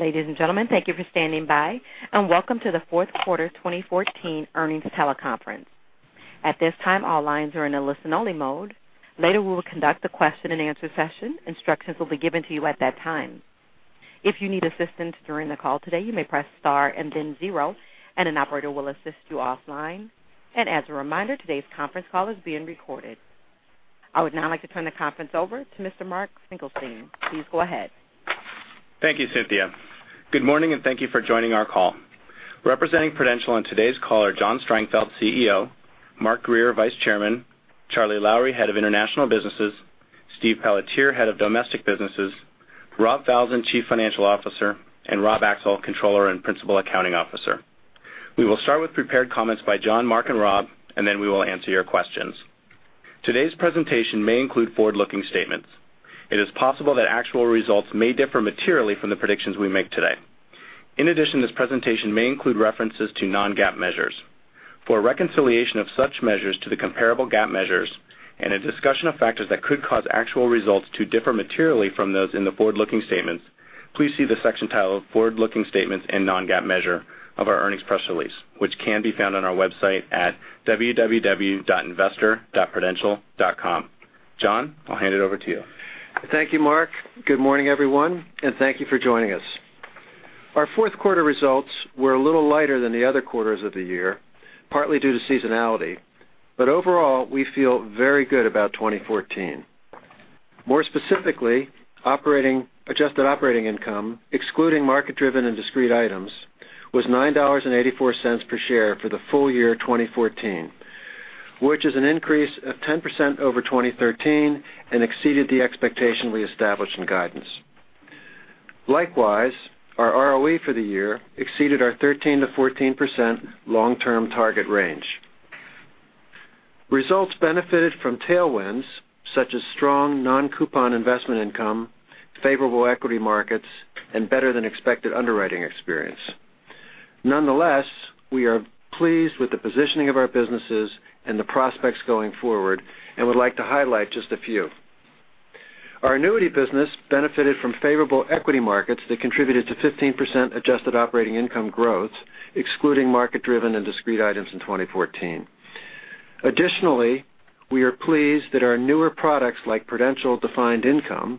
Ladies and gentlemen, thank you for standing by, welcome to the fourth quarter 2014 earnings teleconference. At this time, all lines are in a listen-only mode. Later, we will conduct a question-and-answer session. Instructions will be given to you at that time. If you need assistance during the call today, you may press star and then zero, an operator will assist you offline. As a reminder, today's conference call is being recorded. I would now like to turn the conference over to Mr. Mark Finkelstein. Please go ahead. Thank you, Cynthia. Good morning, thank you for joining our call. Representing Prudential on today's call are John Strangfeld, CEO; Mark Grier, Vice Chairman; Charlie Lowrey, Head of International Businesses; Steve Pelletier, Head of Domestic Businesses; Rob Falzon, Chief Financial Officer; Rob Axel, Controller and Principal Accounting Officer. We will start with prepared comments by John, Mark, and Rob, we will answer your questions. Today's presentation may include forward-looking statements. It is possible that actual results may differ materially from the predictions we make today. In addition, this presentation may include references to non-GAAP measures. For a reconciliation of such measures to the comparable GAAP measures a discussion of factors that could cause actual results to differ materially from those in the forward-looking statements, please see the section titled Forward-Looking Statements and Non-GAAP Measure of our earnings press release, which can be found on our website at www.investor.prudential.com. John, I'll hand it over to you. Thank you, Mark. Good morning, everyone, thank you for joining us. Our fourth quarter results were a little lighter than the other quarters of the year, partly due to seasonality. Overall, we feel very good about 2014. More specifically, adjusted operating income, excluding market-driven and discrete items, was $9.84 per share for the full year 2014, which is an increase of 10% over 2013 exceeded the expectation we established in guidance. Likewise, our ROE for the year exceeded our 13%-14% long-term target range. Results benefited from tailwinds, such as strong non-coupon investment income, favorable equity markets, better than expected underwriting experience. Nonetheless, we are pleased with the positioning of our businesses the prospects going forward would like to highlight just a few. Our annuity business benefited from favorable equity markets that contributed to 15% adjusted operating income growth, excluding market-driven and discrete items in 2014. Additionally, we are pleased that our newer products like Prudential Defined Income,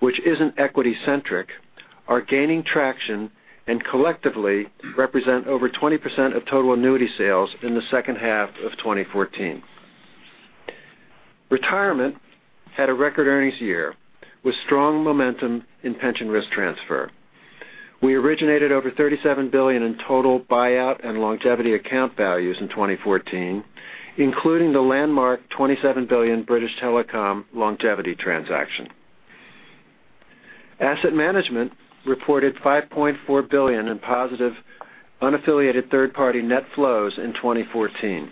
which isn't equity centric, are gaining traction and collectively represent over 20% of total annuity sales in the second half of 2014. Retirement had a record earnings year with strong momentum in pension risk transfer. We originated over $37 billion in total buyout and longevity account values in 2014, including the landmark $27 billion British Telecom longevity transaction. Asset Management reported $5.4 billion in positive unaffiliated third-party net flows in 2014,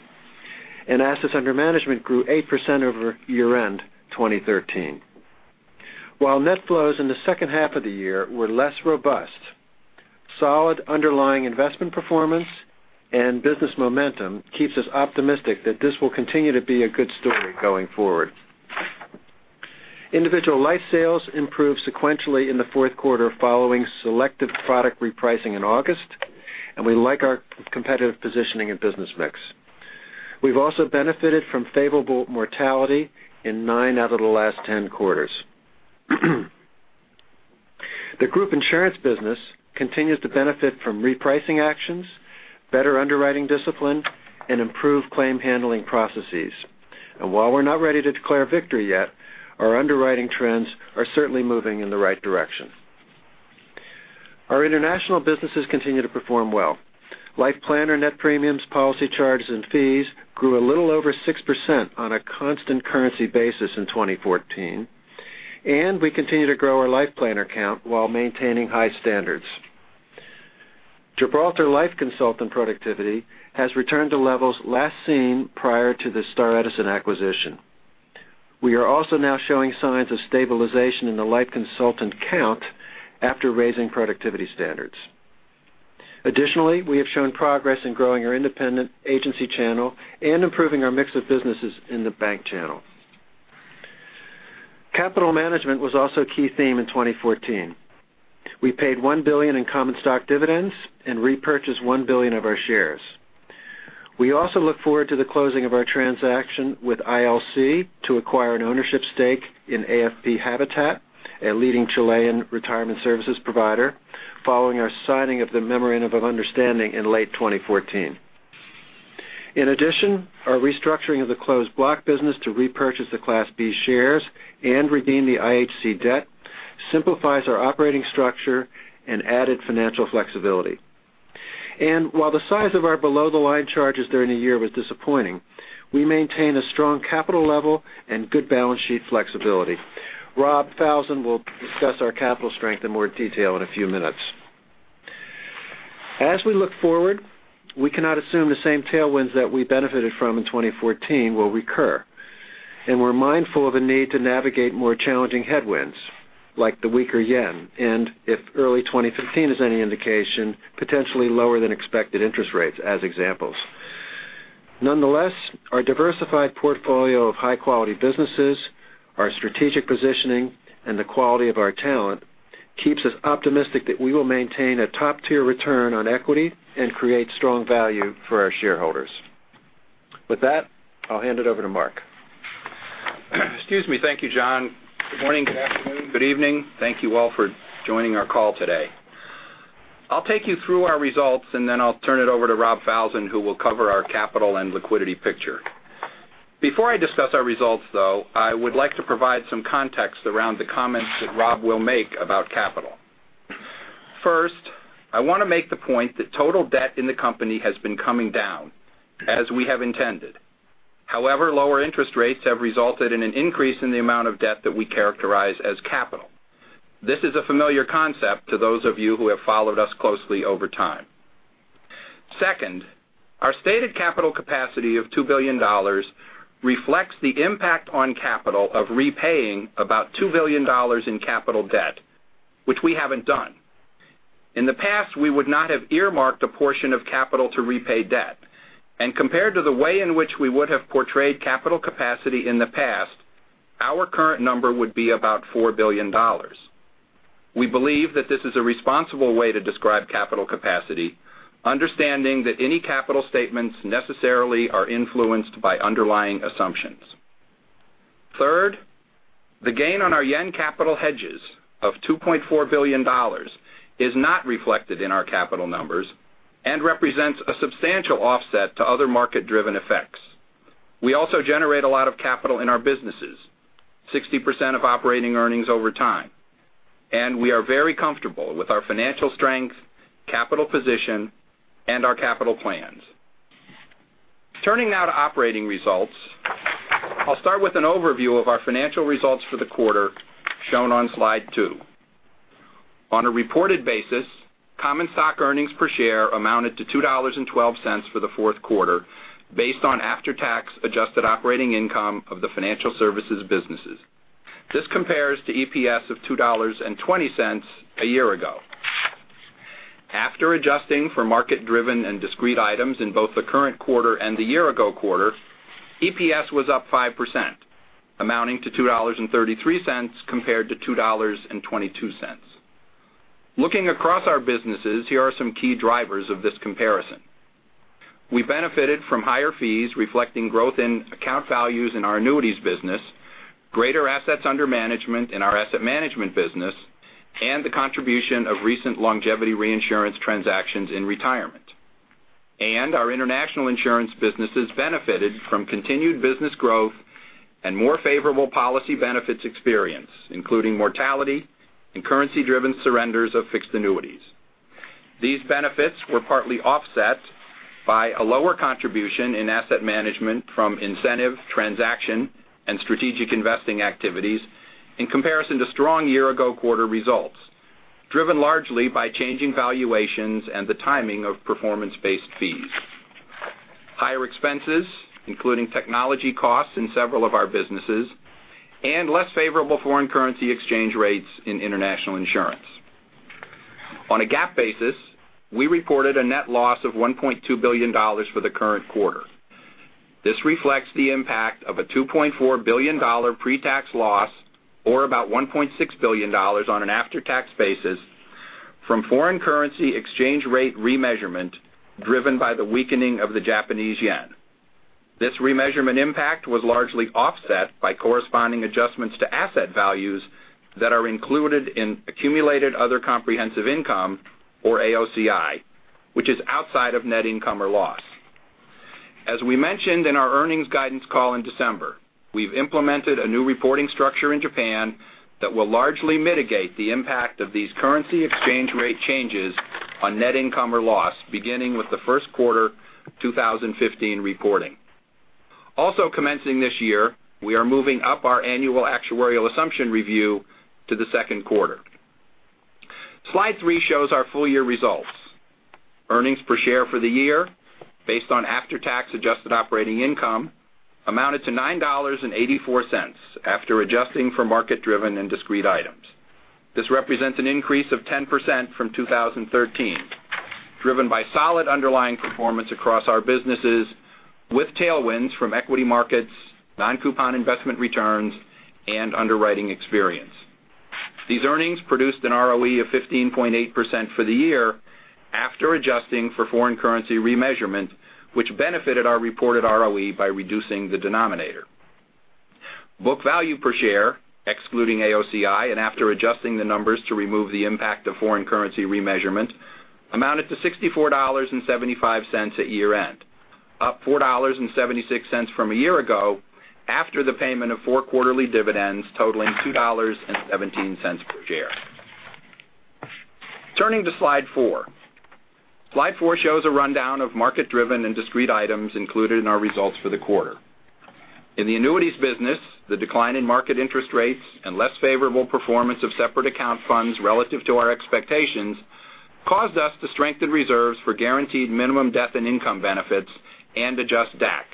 and assets under management grew 8% over year-end 2013. While net flows in the second half of the year were less robust, solid underlying investment performance and business momentum keeps us optimistic that this will continue to be a good story going forward. Individual life sales improved sequentially in the fourth quarter following selective product repricing in August, and we like our competitive positioning and business mix. We've also benefited from favorable mortality in nine out of the last ten quarters. The group insurance business continues to benefit from repricing actions, better underwriting discipline, and improved claim handling processes. While we're not ready to declare victory yet, our underwriting trends are certainly moving in the right direction. Our international businesses continue to perform well. Life planner net premiums, policy charges, and fees grew a little over 6% on a constant currency basis in 2014, and we continue to grow our life planner count while maintaining high standards. Gibraltar Life Consultant productivity has returned to levels last seen prior to the Star Edison acquisition. We are also now showing signs of stabilization in the life consultant count after raising productivity standards. Additionally, we have shown progress in growing our independent agency channel and improving our mix of businesses in the bank channel. Capital management was also a key theme in 2014. We paid $1 billion in common stock dividends and repurchased $1 billion of our shares. We also look forward to the closing of our transaction with ILC to acquire an ownership stake in AFP Habitat, a leading Chilean retirement services provider, following our signing of the memorandum of understanding in late 2014. In addition, our restructuring of the Closed Block Business to repurchase the Class B shares and redeem the IHC debt simplifies our operating structure and added financial flexibility. While the size of our below-the-line charges during the year was disappointing, we maintain a strong capital level and good balance sheet flexibility. Rob Falzon will discuss our capital strength in more detail in a few minutes. As we look forward, we cannot assume the same tailwinds that we benefited from in 2014 will recur, and we're mindful of the need to navigate more challenging headwinds, like the weaker JPY and, if early 2015 is any indication, potentially lower than expected interest rates as examples. Nonetheless, our diversified portfolio of high-quality businesses, our strategic positioning, and the quality of our talent keeps us optimistic that we will maintain a top-tier return on equity and create strong value for our shareholders. With that, I'll hand it over to Mark. Excuse me. Thank you, John. Good morning, good afternoon, good evening. Thank you all for joining our call today. I'll take you through our results, then I'll turn it over to Rob Falzon, who will cover our capital and liquidity picture. Before I discuss our results, though, I would like to provide some context around the comments that Rob will make about capital. First, I want to make the point that total debt in the company has been coming down, as we have intended. However, lower interest rates have resulted in an increase in the amount of debt that we characterize as capital. This is a familiar concept to those of you who have followed us closely over time. Second, our stated capital capacity of $2 billion reflects the impact on capital of repaying about $2 billion in capital debt, which we haven't done. In the past, we would not have earmarked a portion of capital to repay debt. Compared to the way in which we would have portrayed capital capacity in the past, our current number would be about $4 billion. We believe that this is a responsible way to describe capital capacity, understanding that any capital statements necessarily are influenced by underlying assumptions. Third, the gain on our yen capital hedges of $2.4 billion is not reflected in our capital numbers and represents a substantial offset to other market-driven effects. We also generate a lot of capital in our businesses, 60% of operating earnings over time, we are very comfortable with our financial strength, capital position, and our capital plans. Turning now to operating results, I'll start with an overview of our financial results for the quarter, shown on slide two. On a reported basis, common stock earnings per share amounted to $2.12 for the fourth quarter, based on after-tax adjusted operating income of the financial services businesses. This compares to EPS of $2.20 a year ago. After adjusting for market-driven and discrete items in both the current quarter and the year-ago quarter, EPS was up 5%, amounting to $2.33 compared to $2.22. Looking across our businesses, here are some key drivers of this comparison. We benefited from higher fees reflecting growth in account values in our annuities business, greater assets under management in our asset management business, and the contribution of recent longevity reinsurance transactions in retirement. Our international insurance businesses benefited from continued business growth and more favorable policy benefits experience, including mortality and currency-driven surrenders of fixed annuities. These benefits were partly offset by a lower contribution in asset management from incentive, transaction, and strategic investing activities in comparison to strong year-ago quarter results, driven largely by changing valuations and the timing of performance-based fees, higher expenses, including technology costs in several of our businesses, and less favorable foreign currency exchange rates in international insurance. On a GAAP basis, we reported a net loss of $1.2 billion for the current quarter. This reflects the impact of a $2.4 billion pre-tax loss, or about $1.6 billion on an after-tax basis, from foreign currency exchange rate remeasurement driven by the weakening of the Japanese yen. This remeasurement impact was largely offset by corresponding adjustments to asset values that are included in accumulated other comprehensive income, or AOCI, which is outside of net income or loss. As we mentioned in our earnings guidance call in December, we've implemented a new reporting structure in Japan that will largely mitigate the impact of these currency exchange rate changes on net income or loss, beginning with the first quarter 2015 reporting. Also commencing this year, we are moving up our annual actuarial assumption review to the second quarter. Slide three shows our full-year results. Earnings per share for the year, based on after-tax adjusted operating income, amounted to $9.84 after adjusting for market-driven and discrete items. This represents an increase of 10% from 2013, driven by solid underlying performance across our businesses, with tailwinds from equity markets, non-coupon investment returns, and underwriting experience. These earnings produced an ROE of 15.8% for the year after adjusting for foreign currency remeasurement, which benefited our reported ROE by reducing the denominator. Book value per share, excluding AOCI and after adjusting the numbers to remove the impact of foreign currency remeasurement, amounted to $64.75 at year-end, up $4.76 from a year ago, after the payment of four quarterly dividends totaling $2.17 per share. Turning to slide four. Slide four shows a rundown of market-driven and discrete items included in our results for the quarter. In the annuities business, the decline in market interest rates and less favorable performance of separate account funds relative to our expectations caused us to strengthen reserves for guaranteed minimum death and income benefits and adjust DAC,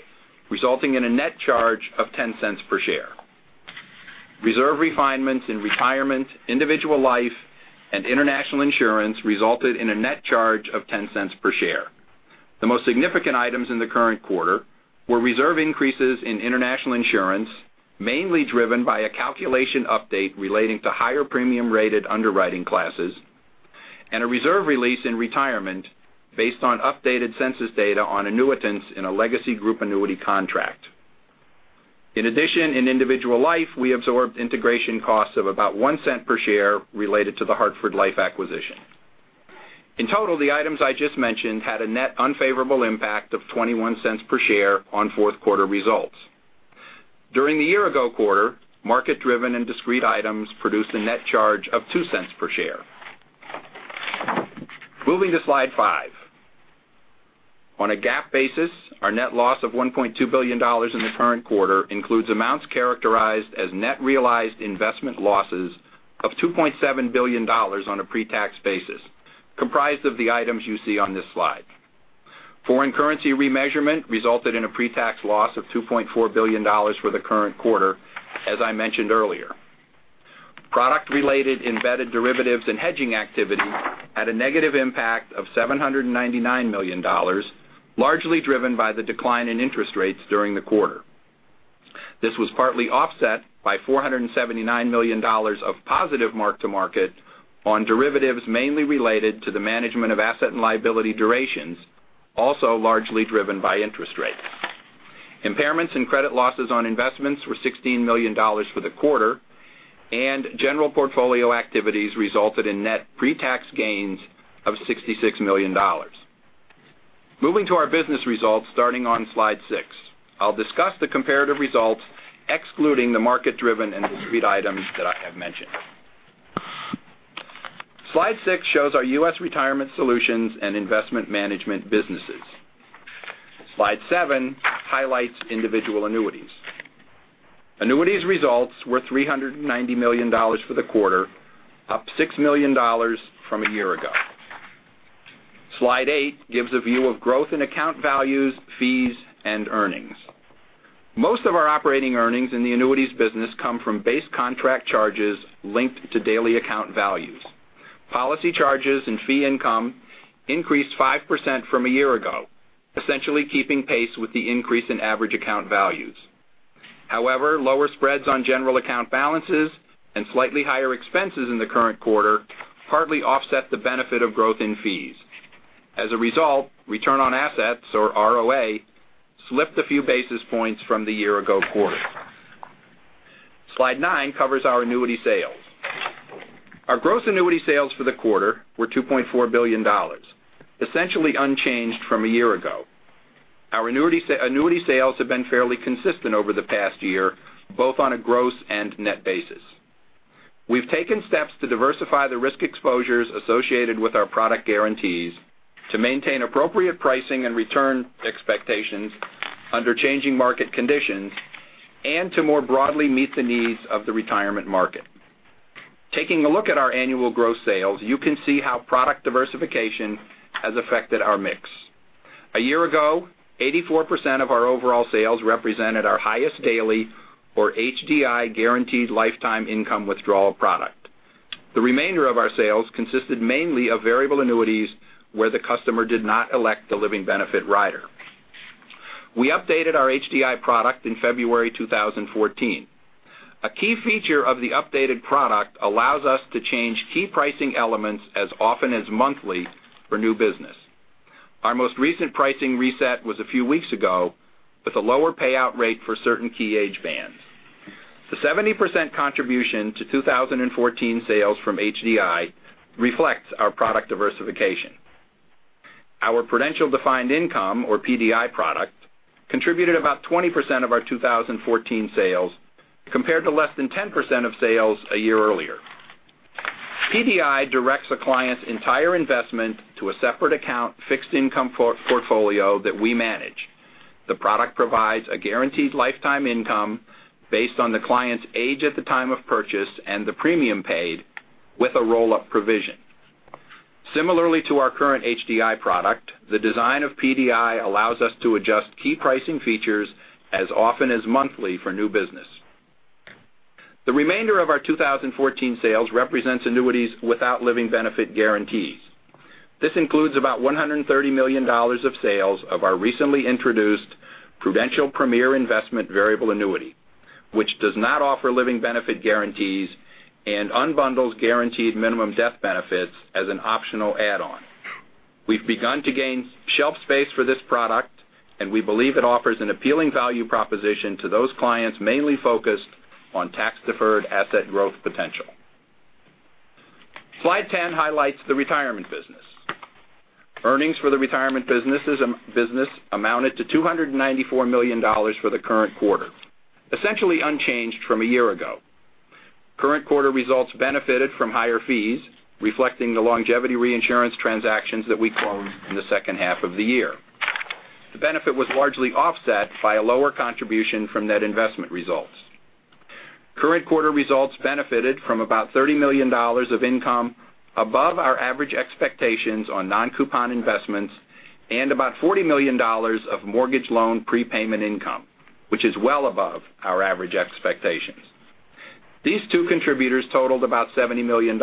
resulting in a net charge of $0.10 per share. Reserve refinements in retirement, individual life, and international insurance resulted in a net charge of $0.10 per share. The most significant items in the current quarter were reserve increases in international insurance, mainly driven by a calculation update relating to higher premium rated underwriting classes, and a reserve release in retirement based on updated census data on annuitants in a legacy group annuity contract. In addition, in individual life, we absorbed integration costs of about $0.01 per share related to the Hartford Life acquisition. In total, the items I just mentioned had a net unfavorable impact of $0.21 per share on fourth quarter results. During the year ago quarter, market-driven and discrete items produced a net charge of $0.02 per share. Moving to slide five. On a GAAP basis, our net loss of $1.2 billion in the current quarter includes amounts characterized as net realized investment losses of $2.7 billion on a pre-tax basis, comprised of the items you see on this slide. Foreign currency remeasurement resulted in a pre-tax loss of $2.4 billion for the current quarter, as I mentioned earlier. Product-related embedded derivatives and hedging activity had a negative impact of $799 million, largely driven by the decline in interest rates during the quarter. This was partly offset by $479 million of positive mark-to-market on derivatives mainly related to the management of asset and liability durations, also largely driven by interest rates. Impairments and credit losses on investments were $16 million for the quarter, and general portfolio activities resulted in net pre-tax gains of $66 million. Moving to our business results, starting on slide six. I'll discuss the comparative results excluding the market-driven and discrete items that I have mentioned. Slide six shows our U.S. retirement solutions and investment management businesses. Slide seven highlights individual annuities. Annuities results were $390 million for the quarter, up $6 million from a year ago. Slide eight gives a view of growth in account values, fees, and earnings. Most of our operating earnings in the annuities business come from base contract charges linked to daily account values. Policy charges and fee income increased 5% from a year ago, essentially keeping pace with the increase in average account values. However, lower spreads on general account balances and slightly higher expenses in the current quarter partly offset the benefit of growth in fees. As a result, return on assets, or ROA, slipped a few basis points from the year ago quarter. Slide nine covers our annuity sales. Our gross annuity sales for the quarter were $2.4 billion, essentially unchanged from a year ago. Our annuity sales have been fairly consistent over the past year, both on a gross and net basis. We've taken steps to diversify the risk exposures associated with our product guarantees to maintain appropriate pricing and return expectations under changing market conditions and to more broadly meet the needs of the retirement market. Taking a look at our annual gross sales, you can see how product diversification has affected our mix. A year ago, 84% of our overall sales represented our Highest Daily Lifetime Income or HDI guaranteed lifetime income withdrawal product. The remainder of our sales consisted mainly of variable annuities where the customer did not elect the living benefit rider. We updated our HDI product in February 2014. A key feature of the updated product allows us to change key pricing elements as often as monthly for new business. Our most recent pricing reset was a few weeks ago with a lower payout rate for certain key age bands. The 70% contribution to 2014 sales from HDI reflects our product diversification. Our Prudential Defined Income, or PDI product, contributed about 20% of our 2014 sales compared to less than 10% of sales a year earlier. PDI directs a client's entire investment to a separate account fixed income portfolio that we manage. The product provides a guaranteed lifetime income based on the client's age at the time of purchase and the premium paid with a roll-up provision. Similarly to our current HDI product, the design of PDI allows us to adjust key pricing features as often as monthly for new business. The remainder of our 2014 sales represents annuities without living benefit guarantees. This includes about $130 million of sales of our recently introduced Prudential Premier Investment Variable Annuity, which does not offer living benefit guarantees and unbundles guaranteed minimum death benefits as an optional add-on. We've begun to gain shelf space for this product, and we believe it offers an appealing value proposition to those clients mainly focused on tax-deferred asset growth potential. Slide 10 highlights the retirement business. Earnings for the retirement business amounted to $294 million for the current quarter, essentially unchanged from a year ago. Current quarter results benefited from higher fees, reflecting the longevity reinsurance transactions that we closed in the second half of the year. The benefit was largely offset by a lower contribution from net investment results. Current quarter results benefited from about $30 million of income above our average expectations on non-coupon investments and about $40 million of mortgage loan prepayment income, which is well above our average expectations. These two contributors totaled about $70 million,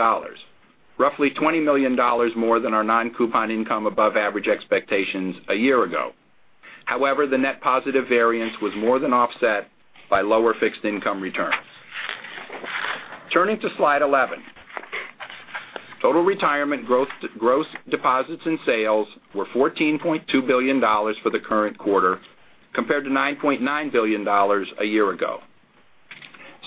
roughly $20 million more than our non-coupon income above average expectations a year ago. The net positive variance was more than offset by lower fixed income returns. Turning to slide 11. Total retirement gross deposits and sales were $14.2 billion for the current quarter compared to $9.9 billion a year ago.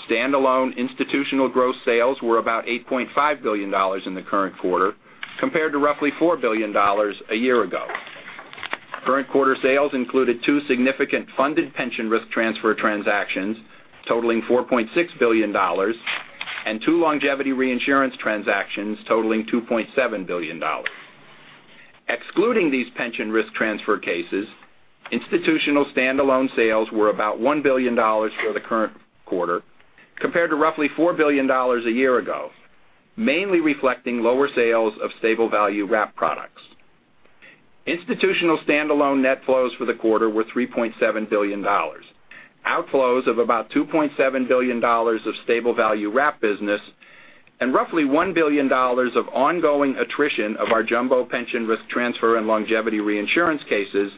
Standalone institutional gross sales were about $8.5 billion in the current quarter compared to roughly $4 billion a year ago. Current quarter sales included two significant funded pension risk transfer transactions totaling $4.6 billion and two longevity reinsurance transactions totaling $2.7 billion. Excluding these pension risk transfer cases, institutional standalone sales were about $1 billion for the current quarter compared to roughly $4 billion a year ago, mainly reflecting lower sales of stable value wrap products. Institutional standalone net flows for the quarter were $3.7 billion. Outflows of about $2.7 billion of stable value wrap business and roughly $1 billion of ongoing attrition of our jumbo pension risk transfer and longevity reinsurance cases,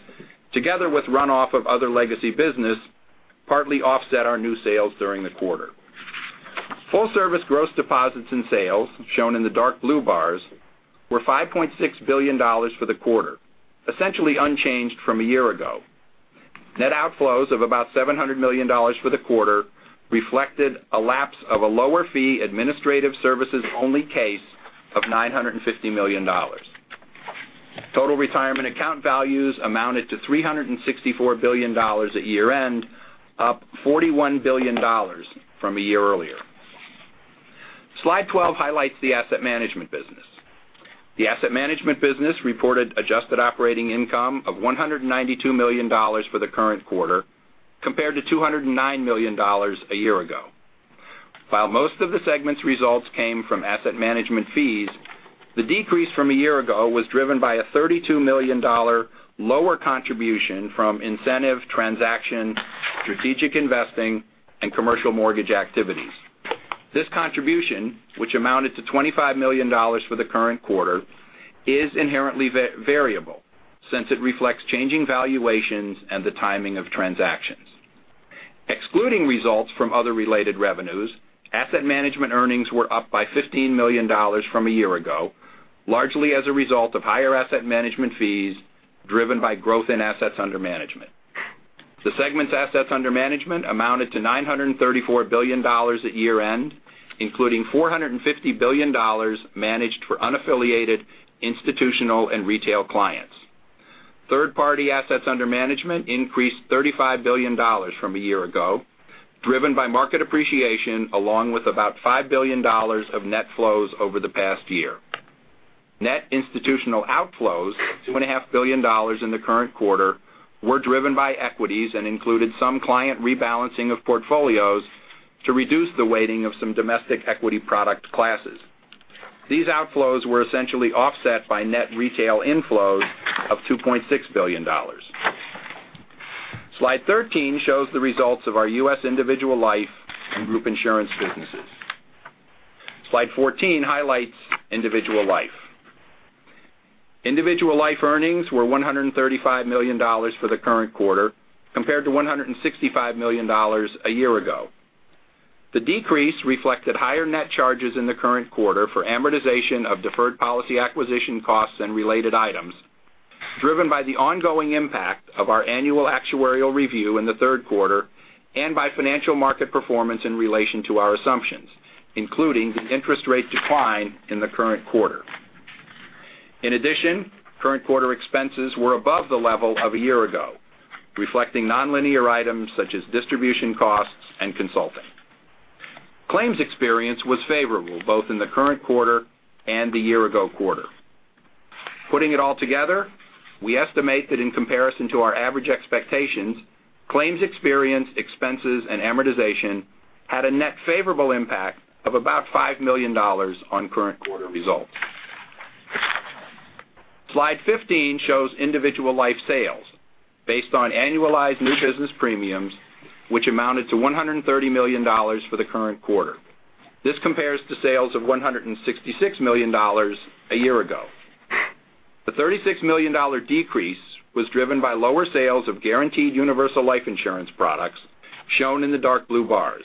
together with runoff of other legacy business, partly offset our new sales during the quarter. Full service gross deposits and sales, shown in the dark blue bars, were $5.6 billion for the quarter, essentially unchanged from a year ago. Net outflows of about $700 million for the quarter reflected a lapse of a lower fee, administrative services only case of $950 million. Total retirement account values amounted to $364 billion at year-end, up $41 billion from a year earlier. Slide 12 highlights the asset management business. The asset management business reported adjusted operating income of $192 million for the current quarter, compared to $209 million a year ago. While most of the segment's results came from asset management fees, the decrease from a year ago was driven by a $32 million lower contribution from incentive transaction, strategic investing, and commercial mortgage activities. This contribution, which amounted to $25 million for the current quarter, is inherently variable, since it reflects changing valuations and the timing of transactions. Excluding results from other related revenues, asset management earnings were up by $15 million from a year ago, largely as a result of higher asset management fees driven by growth in assets under management. The segment's assets under management amounted to $934 billion at year-end, including $450 billion managed for unaffiliated institutional and retail clients. Third-party assets under management increased $35 billion from a year ago, driven by market appreciation along with about $5 billion of net flows over the past year. Net institutional outflows, $2.5 billion in the current quarter, were driven by equities and included some client rebalancing of portfolios to reduce the weighting of some domestic equity product classes. These outflows were essentially offset by net retail inflows of $2.6 billion. Slide 13 shows the results of our U.S. individual life and group insurance businesses. Slide 14 highlights individual life. Individual life earnings were $135 million for the current quarter, compared to $165 million a year ago. The decrease reflected higher net charges in the current quarter for amortization of deferred policy acquisition costs and related items, driven by the ongoing impact of our annual actuarial review in the third quarter and by financial market performance in relation to our assumptions, including the interest rate decline in the current quarter. Current quarter expenses were above the level of a year ago, reflecting nonlinear items such as distribution costs and consulting. Claims experience was favorable, both in the current quarter and the year-ago quarter. Putting it all together, we estimate that in comparison to our average expectations, claims experience, expenses, and amortization had a net favorable impact of about $5 million on current quarter results. Slide 15 shows individual life sales based on annualized new business premiums, which amounted to $130 million for the current quarter. This compares to sales of $166 million a year ago. The $36 million decrease was driven by lower sales of guaranteed universal life insurance products shown in the dark blue bars.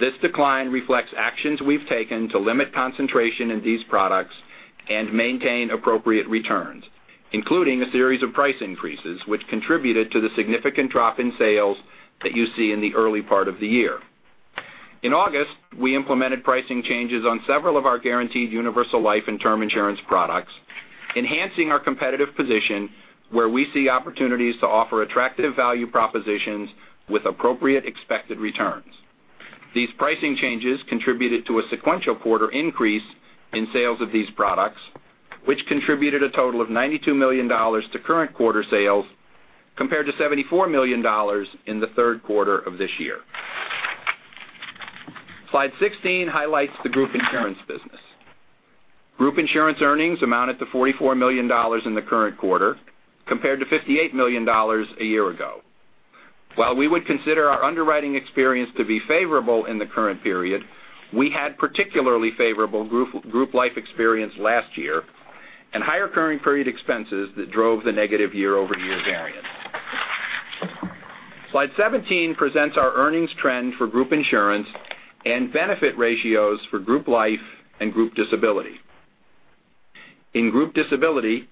This decline reflects actions we've taken to limit concentration in these products and maintain appropriate returns, including a series of price increases, which contributed to the significant drop in sales that you see in the early part of the year. In August, we implemented pricing changes on several of our guaranteed universal life and term insurance products, enhancing our competitive position where we see opportunities to offer attractive value propositions with appropriate expected returns. These pricing changes contributed to a sequential quarter increase in sales of these products, which contributed a total of $92 million to current quarter sales, compared to $74 million in the third quarter of this year. Slide 16 highlights the group insurance business. Group insurance earnings amounted to $44 million in the current quarter, compared to $58 million a year ago. While we would consider our underwriting experience to be favorable in the current period, we had particularly favorable group life experience last year, and higher current period expenses that drove the negative year-over-year variance. Slide 17 presents our earnings trend for group insurance and benefit ratios for group life and group disability. In group disability,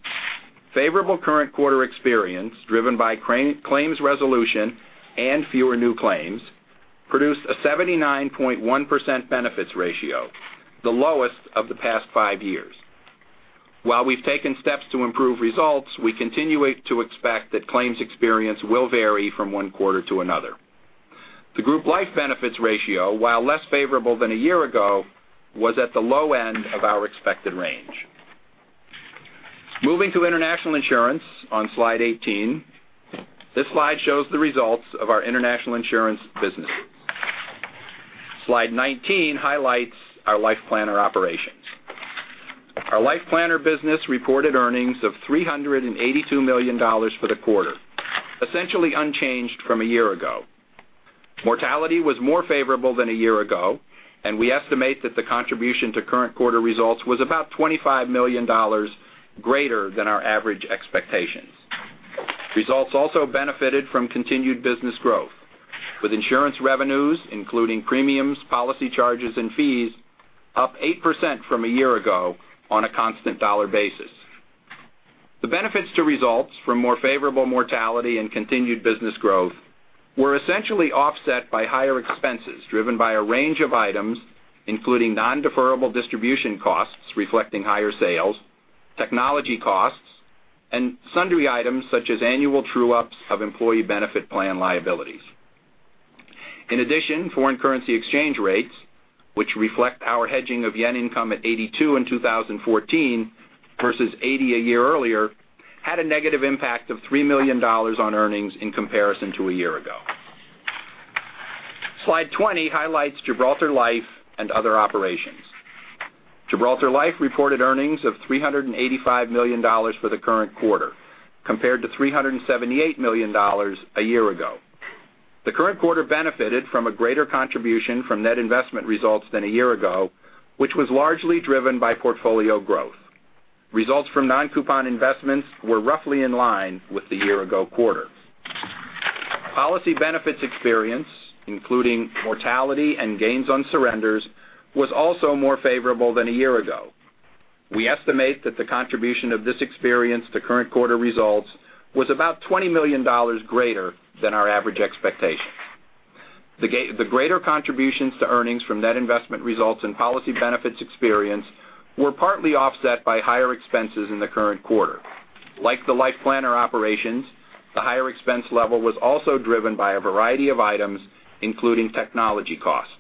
favorable current quarter experience, driven by claims resolution and fewer new claims, produced a 79.1% benefits ratio, the lowest of the past five years. While we've taken steps to improve results, we continue to expect that claims experience will vary from one quarter to another. The group life benefits ratio, while less favorable than a year ago, was at the low end of our expected range. Moving to international insurance on Slide 18. This slide shows the results of our international insurance businesses. Slide 19 highlights our life planner operations. Our life planner business reported earnings of $382 million for the quarter, essentially unchanged from a year ago. Mortality was more favorable than a year ago, and we estimate that the contribution to current quarter results was about $25 million greater than our average expectations. Results also benefited from continued business growth, with insurance revenues, including premiums, policy charges, and fees, up 8% from a year ago on a constant dollar basis. The benefits to results from more favorable mortality and continued business growth were essentially offset by higher expenses driven by a range of items, including non-deferrable distribution costs reflecting higher sales, technology costs, and sundry items such as annual true-ups of employee benefit plan liabilities. In addition, foreign currency exchange rates, which reflect our hedging of yen income at 82 in 2014 versus 80 a year earlier, had a negative impact of $3 million on earnings in comparison to a year ago. Slide 20 highlights Gibraltar Life and other operations. Gibraltar Life reported earnings of $385 million for the current quarter, compared to $378 million a year ago. The current quarter benefited from a greater contribution from net investment results than a year ago, which was largely driven by portfolio growth. Results from non-coupon investments were roughly in line with the year-ago quarter. Policy benefits experience, including mortality and gains on surrenders, was also more favorable than a year ago. We estimate that the contribution of this experience to current quarter results was about $20 million greater than our average expectation. The greater contributions to earnings from net investment results and policy benefits experience were partly offset by higher expenses in the current quarter. Like the life planner operations, the higher expense level was also driven by a variety of items, including technology costs.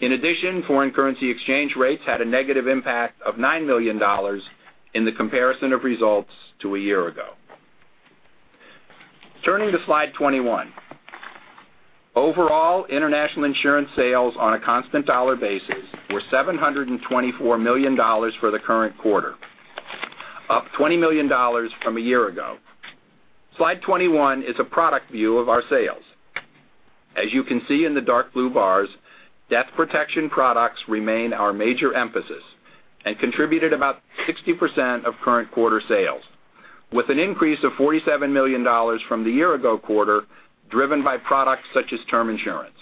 In addition, foreign currency exchange rates had a negative impact of $9 million in the comparison of results to a year ago. Turning to Slide 21. Overall, international insurance sales on a constant dollar basis were $724 million for the current quarter, up $20 million from a year ago. Slide 21 is a product view of our sales. As you can see in the dark blue bars, death protection products remain our major emphasis and contributed about 60% of current quarter sales, with an increase of $47 million from the year-ago quarter, driven by products such as term insurance.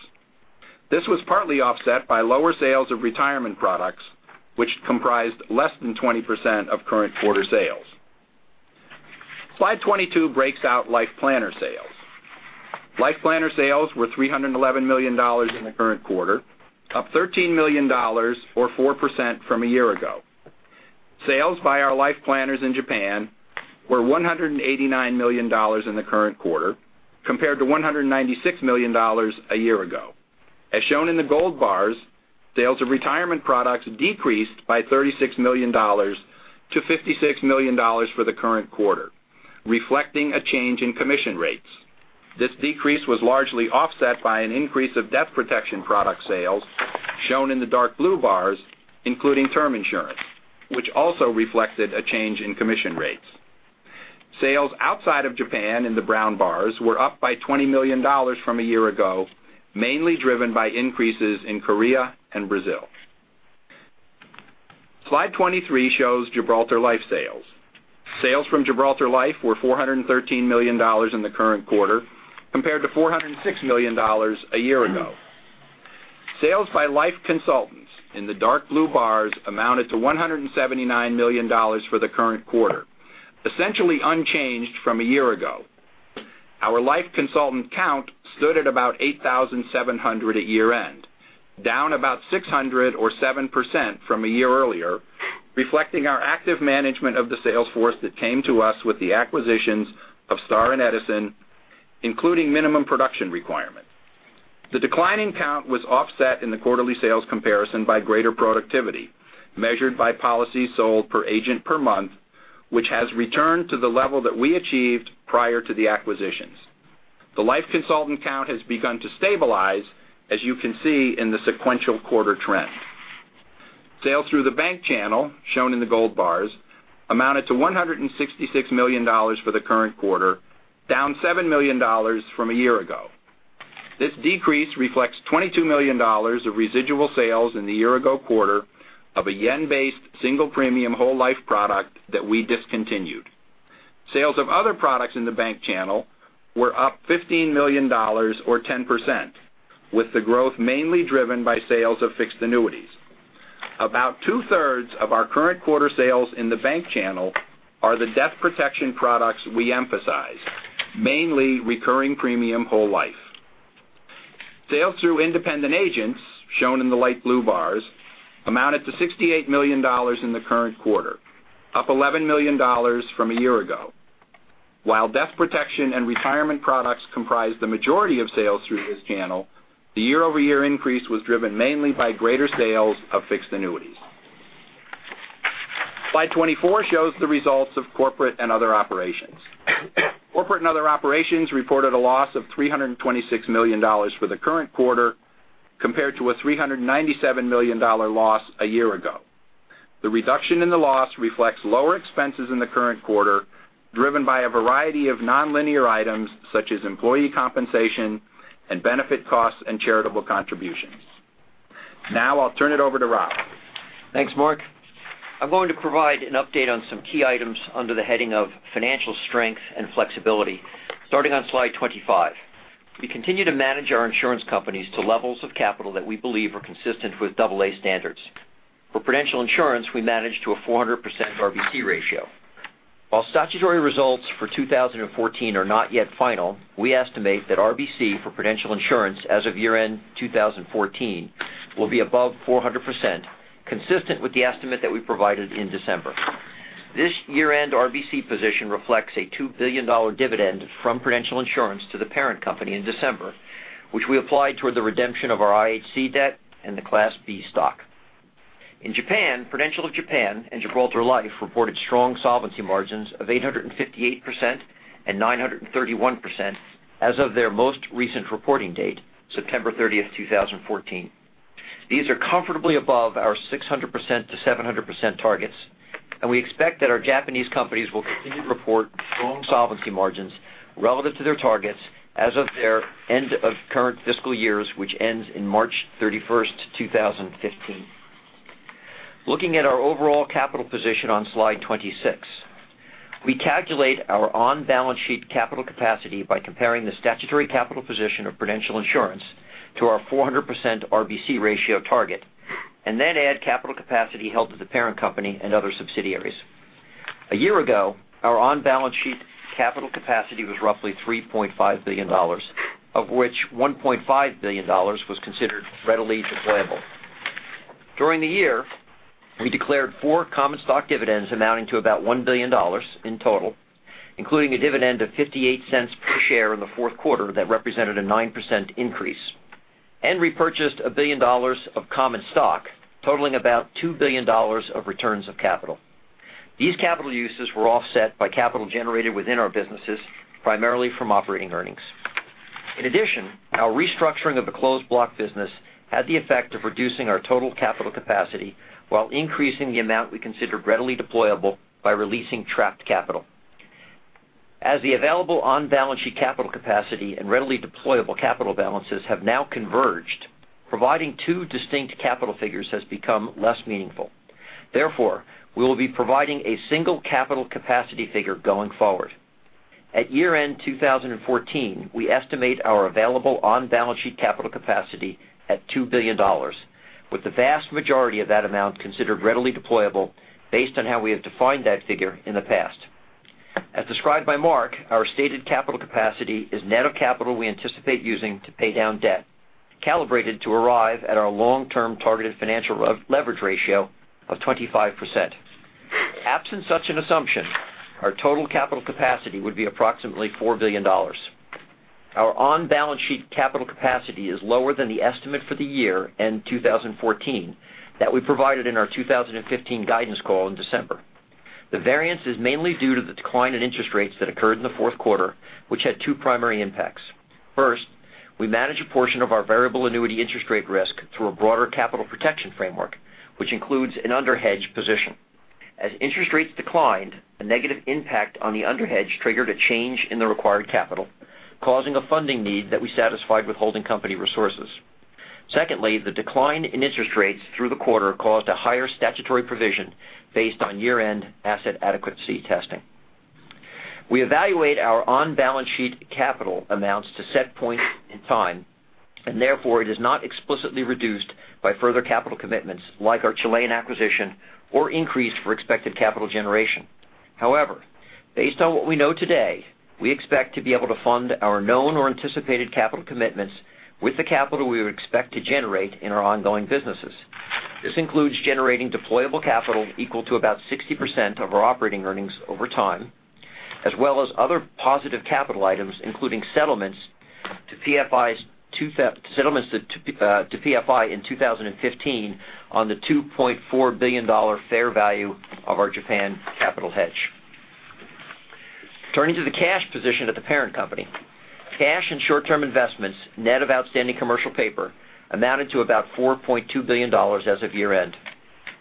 This was partly offset by lower sales of retirement products, which comprised less than 20% of current quarter sales. Slide 22 breaks out life planner sales. Life planner sales were $311 million in the current quarter, up $13 million or 4% from a year ago. Sales by our life planners in Japan were $189 million in the current quarter, compared to $196 million a year ago. As shown in the gold bars, sales of retirement products decreased by $36 million to $56 million for the current quarter, reflecting a change in commission rates. This decrease was largely offset by an increase of death protection product sales, shown in the dark blue bars, including term insurance, which also reflected a change in commission rates. Sales outside of Japan, in the brown bars, were up by $20 million from a year ago, mainly driven by increases in Korea and Brazil. Slide 23 shows Gibraltar Life sales. Sales from Gibraltar Life were $413 million in the current quarter, compared to $406 million a year ago. Sales by life consultants, in the dark blue bars, amounted to $179 million for the current quarter, essentially unchanged from a year ago. Our life consultant count stood at about 8,700 at year-end, down about 600 or 7% from a year earlier, reflecting our active management of the sales force that came to us with the acquisitions of Star and Edison, including minimum production requirements. The decline in count was offset in the quarterly sales comparison by greater productivity, measured by policy sold per agent per month, which has returned to the level that we achieved prior to the acquisitions. The life consultant count has begun to stabilize, as you can see in the sequential quarter trend. Sales through the bank channel, shown in the gold bars, amounted to $166 million for the current quarter, down $7 million from a year ago. This decrease reflects $22 million of residual sales in the year-ago quarter of a JPY-based single premium whole life product that we discontinued. Sales of other products in the bank channel were up $15 million, or 10%, with the growth mainly driven by sales of fixed annuities. About two-thirds of our current quarter sales in the bank channel are the death protection products we emphasize, mainly recurring premium whole life. Sales through independent agents, shown in the light blue bars, amounted to $68 million in the current quarter, up $11 million from a year ago. While death protection and retirement products comprise the majority of sales through this channel, the year-over-year increase was driven mainly by greater sales of fixed annuities. Slide 24 shows the results of corporate and other operations. Corporate and other operations reported a loss of $326 million for the current quarter, compared to a $397 million loss a year ago. The reduction in the loss reflects lower expenses in the current quarter, driven by a variety of nonlinear items such as employee compensation and benefit costs and charitable contributions. Now I'll turn it over to Rob. Thanks, Mark. I'm going to provide an update on some key items under the heading of Financial Strength and Flexibility, starting on Slide 25. We continue to manage our insurance companies to levels of capital that we believe are consistent with double A standards. For Prudential Insurance, we manage to a 400% RBC ratio. While statutory results for 2014 are not yet final, we estimate that RBC for Prudential Insurance as of year-end 2014 will be above 400%, consistent with the estimate that we provided in December. This year-end RBC position reflects a $2 billion dividend from Prudential Insurance to the parent company in December, which we applied toward the redemption of our IHC debt and the Class B Stock. In Japan, Prudential of Japan and Gibraltar Life reported strong solvency margins of 858% and 931% as of their most recent reporting date, September 30, 2014. These are comfortably above our 600%-700% targets, and we expect that our Japanese companies will continue to report strong solvency margins relative to their targets as of their end of current fiscal years, which ends in March 31, 2015. Looking at our overall capital position on Slide 26. We calculate our on-balance sheet capital capacity by comparing the statutory capital position of Prudential Insurance to our 400% RBC ratio target and then add capital capacity held to the parent company and other subsidiaries. A year ago, our on-balance sheet capital capacity was roughly $3.5 billion, of which $1.5 billion was considered readily deployable. During the year, we declared four common stock dividends amounting to about $1 billion in total, including a dividend of $0.58 per share in the fourth quarter that represented a 9% increase, and repurchased $1 billion of common stock, totaling about $2 billion of returns of capital. These capital uses were offset by capital generated within our businesses, primarily from operating earnings. In addition, our restructuring of the Closed Block Business had the effect of reducing our total capital capacity while increasing the amount we considered readily deployable by releasing trapped capital. As the available on-balance sheet capital capacity and readily deployable capital balances have now converged, providing two distinct capital figures has become less meaningful. Therefore, we will be providing a single capital capacity figure going forward. At year-end 2014, we estimate our available on-balance sheet capital capacity at $2 billion, with the vast majority of that amount considered readily deployable based on how we have defined that figure in the past. As described by Mark, our stated capital capacity is net of capital we anticipate using to pay down debt, calibrated to arrive at our long-term targeted financial leverage ratio of 25%. Absent such an assumption, our total capital capacity would be approximately $4 billion. Our on-balance sheet capital capacity is lower than the estimate for the year-end 2014 that we provided in our 2015 guidance call in December. The variance is mainly due to the decline in interest rates that occurred in the fourth quarter, which had two primary impacts. First, we manage a portion of our variable annuity interest rate risk through a broader capital protection framework, which includes an under hedge position. Secondly, the decline in interest rates through the quarter caused a higher statutory provision based on year-end asset adequacy testing. We evaluate our on-balance sheet capital amounts to set points in time, and therefore it is not explicitly reduced by further capital commitments like our Chilean acquisition or increase for expected capital generation. However, based on what we know today, we expect to be able to fund our known or anticipated capital commitments with the capital we would expect to generate in our ongoing businesses. This includes generating deployable capital equal to about 60% of our operating earnings over time as well as other positive capital items, including settlements to PFI in 2015 on the $2.4 billion fair value of our Japan capital hedge. Turning to the cash position of the parent company. Cash and short-term investments, net of outstanding commercial paper, amounted to about $4.2 billion as of year-end.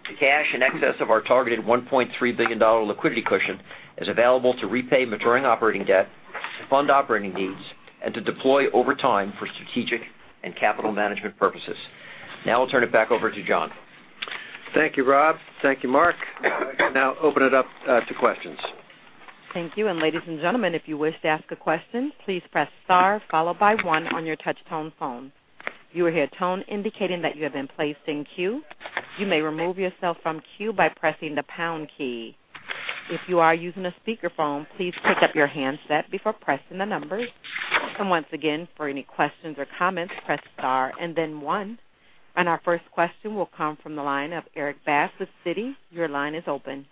The cash in excess of our targeted $1.3 billion liquidity cushion is available to repay maturing operating debt, to fund operating needs, and to deploy over time for strategic and capital management purposes. Now I'll turn it back over to John. Thank you, Rob. Thank you, Mark. I can now open it up to questions. Thank you. Ladies and gentlemen, if you wish to ask a question, please press star followed by one on your touch-tone phone. You will hear a tone indicating that you have been placed in queue. You may remove yourself from queue by pressing the pound key. If you are using a speakerphone, please pick up your handset before pressing the numbers. Once again, for any questions or comments, press star and then one. Our first question will come from the line of Erik Bass with Citi. Your line is open.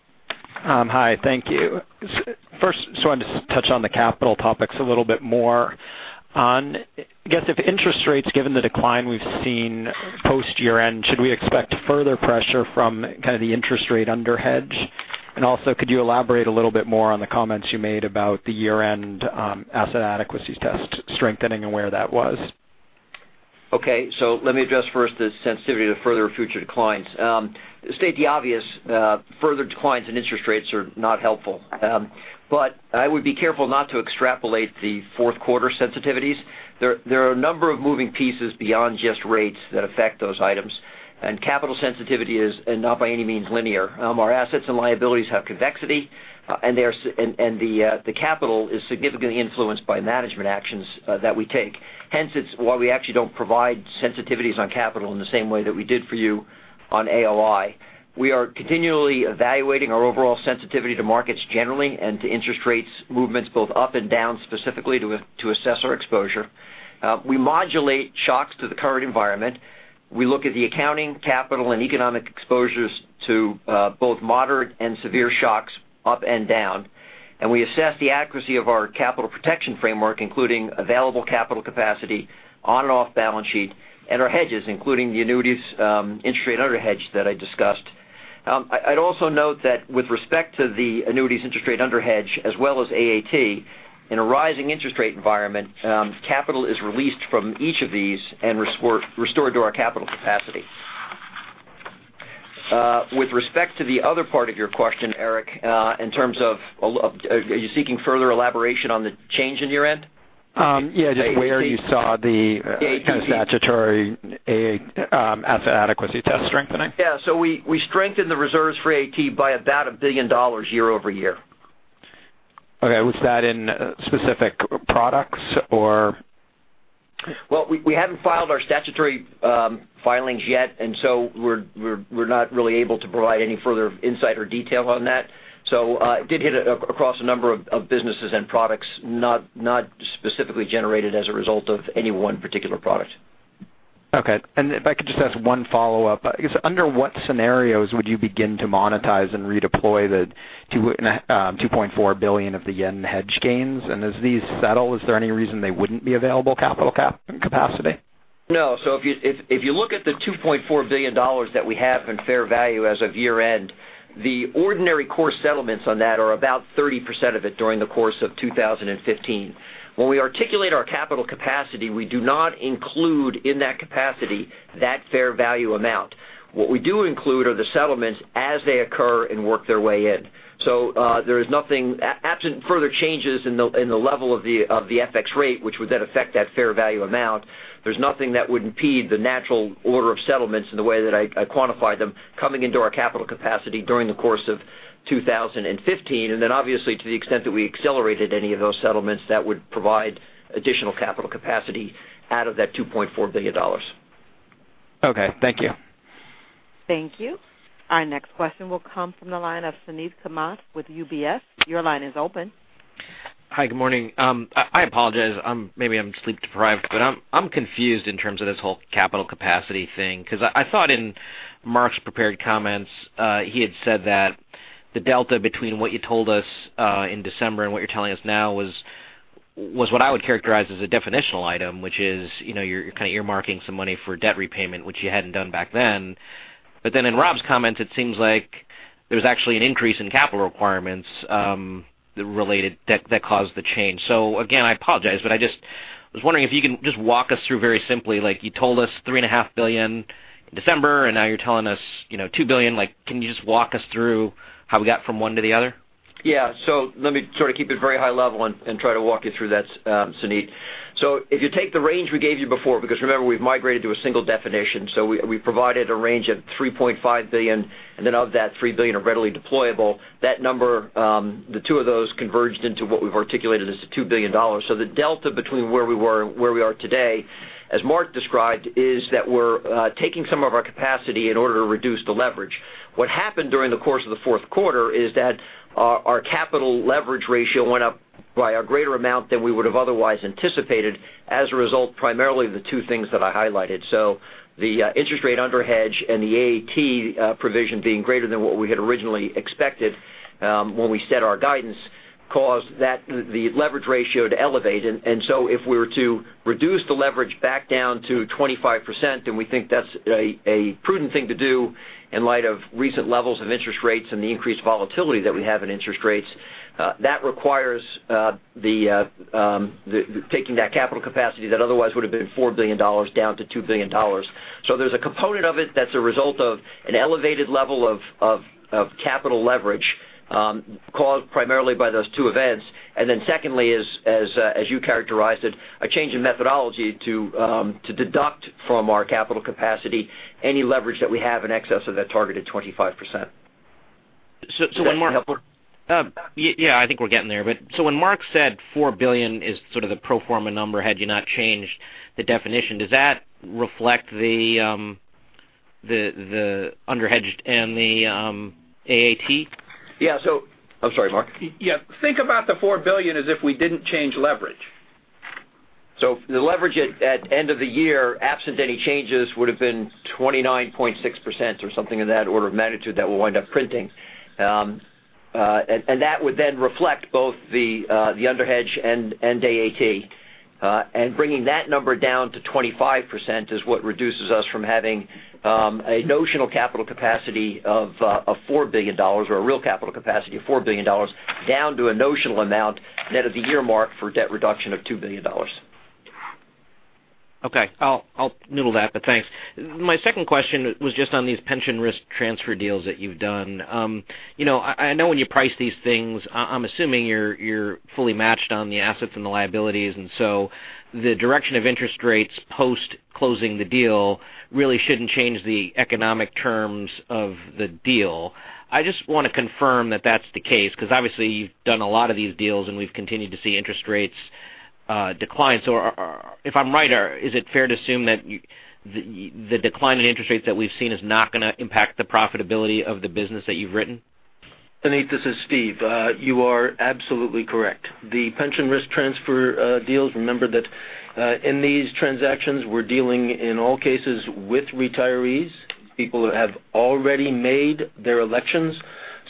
Hi, thank you. First, I just wanted to touch on the capital topics a little bit more. On, I guess, if interest rates, given the decline we've seen post year-end, should we expect further pressure from kind of the interest rate underhedge? Also, could you elaborate a little bit more on the comments you made about the year-end asset adequacy test strengthening and where that was? Okay. Let me address first the sensitivity to further future declines. To state the obvious, further declines in interest rates are not helpful. I would be careful not to extrapolate the fourth quarter sensitivities. There are a number of moving pieces beyond just rates that affect those items, and capital sensitivity is not by any means linear. Our assets and liabilities have convexity, and the capital is significantly influenced by management actions that we take. Hence, it's why we actually don't provide sensitivities on capital in the same way that we did for you on AOI. We are continually evaluating our overall sensitivity to markets generally and to interest rates movements both up and down, specifically to assess our exposure. We modulate shocks to the current environment. We look at the accounting, capital, and economic exposures to both moderate and severe shocks up and down. We assess the accuracy of our capital protection framework, including available capital capacity on and off balance sheet, and our hedges, including the annuities interest rate underhedge that I discussed. I would also note that with respect to the annuities interest rate underhedge as well as AAT, in a rising interest rate environment, capital is released from each of these and restored to our capital capacity. With respect to the other part of your question, Erik, are you seeking further elaboration on the change in year-end? Yeah, just where you saw the AAT. statutory asset adequacy test strengthening. Yeah. We strengthened the reserves for AAT by about $1 billion year-over-year. Okay. Was that in specific products or Well, we haven't filed our statutory filings yet, we're not really able to provide any further insight or detail on that. It did hit across a number of businesses and products, not specifically generated as a result of any one particular product. Okay. If I could just ask one follow-up. I guess under what scenarios would you begin to monetize and redeploy the $2.4 billion of the yen hedge gains? As these settle, is there any reason they wouldn't be available capital capacity? No. If you look at the $2.4 billion that we have in fair value as of year-end, the ordinary course settlements on that are about 30% of it during the course of 2015. When we articulate our capital capacity, we do not include in that capacity that fair value amount. What we do include are the settlements as they occur and work their way in. There is nothing, absent further changes in the level of the FX rate, which would then affect that fair value amount, there's nothing that would impede the natural order of settlements in the way that I quantified them coming into our capital capacity during the course of 2015. Obviously, to the extent that we accelerated any of those settlements, that would provide additional capital capacity out of that $2.4 billion. Okay. Thank you. Thank you. Our next question will come from the line of Suneet Kamath with UBS. Your line is open. Hi, good morning. I apologize. Maybe I'm sleep deprived, I'm confused in terms of this whole capital capacity thing, I thought in Mark's prepared comments, he had said that the delta between what you told us in December and what you're telling us now was what I would characterize as a definitional item. Which is, you're kind of earmarking some money for debt repayment, which you hadn't done back then. In Rob's comments, it seems like there's actually an increase in capital requirements, that caused the change. Again, I apologize, but I just was wondering if you can just walk us through very simply, like you told us $3.5 billion in December, and now you're telling us $2 billion. Can you just walk us through how we got from one to the other? Yeah. Let me sort of keep it very high level and try to walk you through that, Suneet. If you take the range we gave you before, because remember, we've migrated to a single definition. We provided a range of $3.5 billion, and then of that, $3 billion are readily deployable. That number, the two of those converged into what we've articulated as the $2 billion. The delta between where we were and where we are today, as Mark described, is that we're taking some of our capacity in order to reduce the leverage. What happened during the course of the fourth quarter is that our capital leverage ratio went up by a greater amount than we would have otherwise anticipated as a result, primarily the two things that I highlighted. The interest rate underhedge and the AAT provision being greater than what we had originally expected when we set our guidance caused the leverage ratio to elevate. If we were to reduce the leverage back down to 25%, and we think that's a prudent thing to do in light of recent levels of interest rates and the increased volatility that we have in interest rates. That requires taking that capital capacity that otherwise would have been $4 billion down to $2 billion. There's a component of it that's a result of an elevated level of capital leverage, caused primarily by those two events. Secondly, as you characterized it, a change in methodology to deduct from our capital capacity any leverage that we have in excess of that targeted 25%. So when Mark- Is that more helpful? Yeah, I think we're getting there. When Mark said $4 billion is sort of the pro forma number had you not changed the definition, does that reflect the underhedged and the AAT? Yeah. I'm sorry, Mark. Yeah. Think about the $4 billion as if we didn't change leverage. The leverage at end of the year, absent any changes, would have been 29.6% or something in that order of magnitude that we'll wind up printing. That would then reflect both the underhedge and AAT. Bringing that number down to 25% is what reduces us from having a notional capital capacity of $4 billion, or a real capital capacity of $4 billion, down to a notional amount net of the year mark for debt reduction of $2 billion. Okay. I'll noodle that, thanks. My second question was just on these pension risk transfer deals that you've done. I know when you price these things, I'm assuming you're fully matched on the assets and the liabilities, the direction of interest rates post-closing the deal really shouldn't change the economic terms of the deal. I just want to confirm that that's the case, because obviously you've done a lot of these deals, and we've continued to see interest rates decline. If I'm right, is it fair to assume that the decline in interest rates that we've seen is not going to impact the profitability of the business that you've written? Suneet, this is Steve. You are absolutely correct. The pension risk transfer deals, remember that in these transactions, we're dealing in all cases with retirees, people who have already made their elections.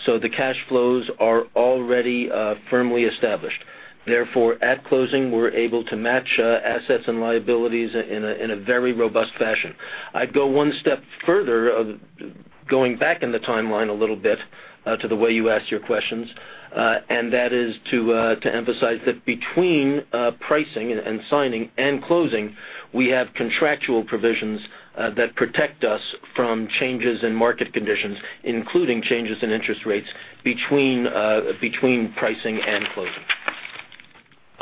The cash flows are already firmly established. Therefore, at closing, we're able to match assets and liabilities in a very robust fashion. I'd go one step further, going back in the timeline a little bit to the way you asked your questions, and that is to emphasize that between pricing and signing and closing, we have contractual provisions that protect us from changes in market conditions, including changes in interest rates between pricing and closing.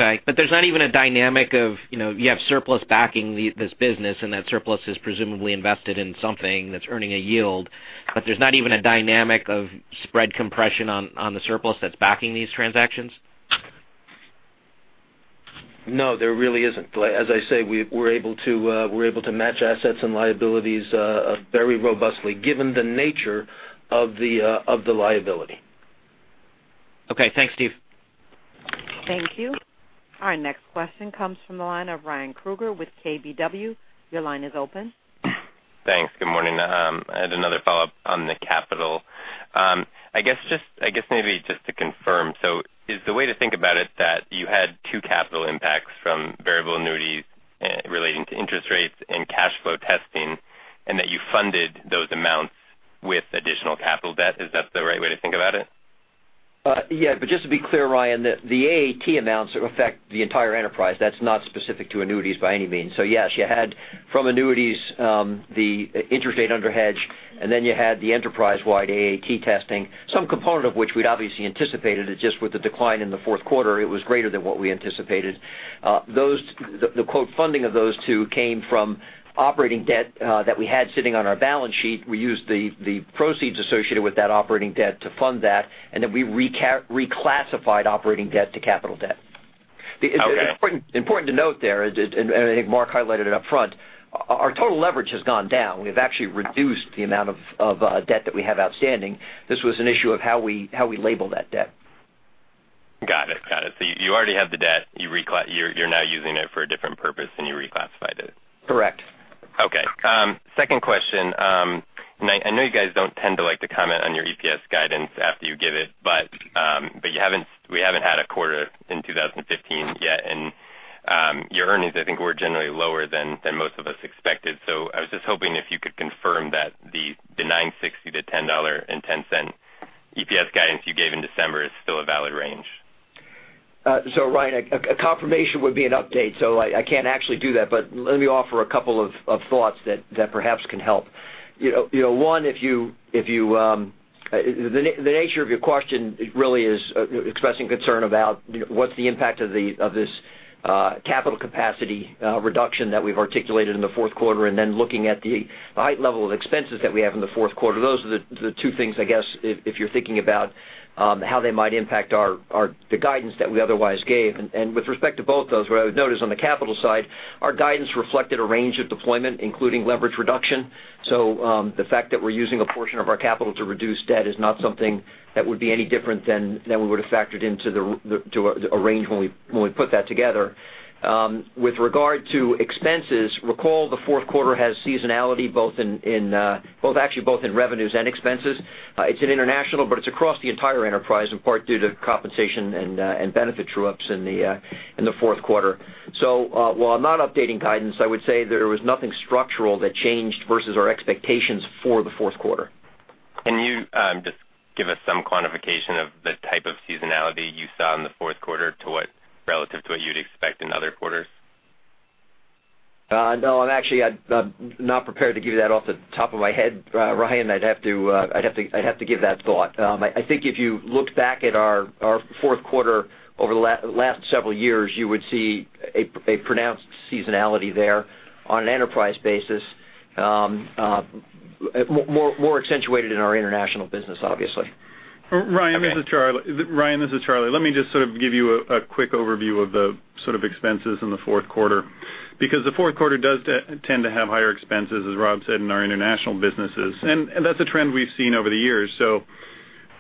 Right. There's not even a dynamic of, you have surplus backing this business, and that surplus is presumably invested in something that's earning a yield. There's not even a dynamic of spread compression on the surplus that's backing these transactions? No, there really isn't. As I say, we're able to match assets and liabilities very robustly given the nature of the liability. Okay. Thanks, Steve. Thank you. Our next question comes from the line of Ryan Krueger with KBW. Your line is open. Thanks. Good morning. I had another follow-up on the capital. I guess maybe just to confirm, is the way to think about it that you had two capital impacts from variable annuities relating to interest rates and cash flow testing, and that you funded those amounts with additional capital debt? Is that the right way to think about it? Yeah. Just to be clear, Ryan, the AAT amounts affect the entire enterprise. That's not specific to annuities by any means. Yes, you had from annuities the interest rate underhedge, and then you had the enterprise-wide AAT testing, some component of which we'd obviously anticipated. It's just with the decline in the fourth quarter, it was greater than what we anticipated. The quote funding of those two came from operating debt that we had sitting on our balance sheet. We used the proceeds associated with that operating debt to fund that, and then we reclassified operating debt to capital debt. Okay. Important to note there, I think Mark highlighted it up front, our total leverage has gone down. We've actually reduced the amount of debt that we have outstanding. This was an issue of how we label that debt. Got it. You already have the debt. You're now using it for a different purpose, and you reclassified it. Correct. Okay. Second question. I know you guys don't tend to like to comment on your EPS guidance after you give it, we haven't had a quarter in 2015 yet, and your earnings, I think, were generally lower than most of us expected. I was just hoping if you could confirm that the $9.60-$10.10 EPS guidance you gave in December is still a valid range. Ryan, a confirmation would be an update, so I can't actually do that. Let me offer a couple of thoughts that perhaps can help. One, the nature of your question really is expressing concern about what's the impact of this capital capacity reduction that we've articulated in the fourth quarter, then looking at the high level of expenses that we have in the fourth quarter. Those are the two things, I guess, if you're thinking about how they might impact the guidance that we otherwise gave. With respect to both those, what I would note is on the capital side, our guidance reflected a range of deployment, including leverage reduction. The fact that we're using a portion of our capital to reduce debt is not something that would be any different than we would have factored into a range when we put that together. With regard to expenses, recall the fourth quarter has seasonality, both actually both in revenues and expenses. It's in international, but it's across the entire enterprise, in part due to compensation and benefit true-ups in the fourth quarter. While I'm not updating guidance, I would say there was nothing structural that changed versus our expectations for the fourth quarter. Can you just give us some quantification of the type of seasonality you saw in the fourth quarter relative to what you'd expect in other quarters? No, I'm actually not prepared to give you that off the top of my head, Ryan. I'd have to give that thought. I think if you look back at our fourth quarter over the last several years, you would see a pronounced seasonality there on an enterprise basis, more accentuated in our international business, obviously. Ryan, this is Charlie. Let me just sort of give you a quick overview of the sort of expenses in the fourth quarter, because the fourth quarter does tend to have higher expenses, as Rob said, in our international businesses. That's a trend we've seen over the years.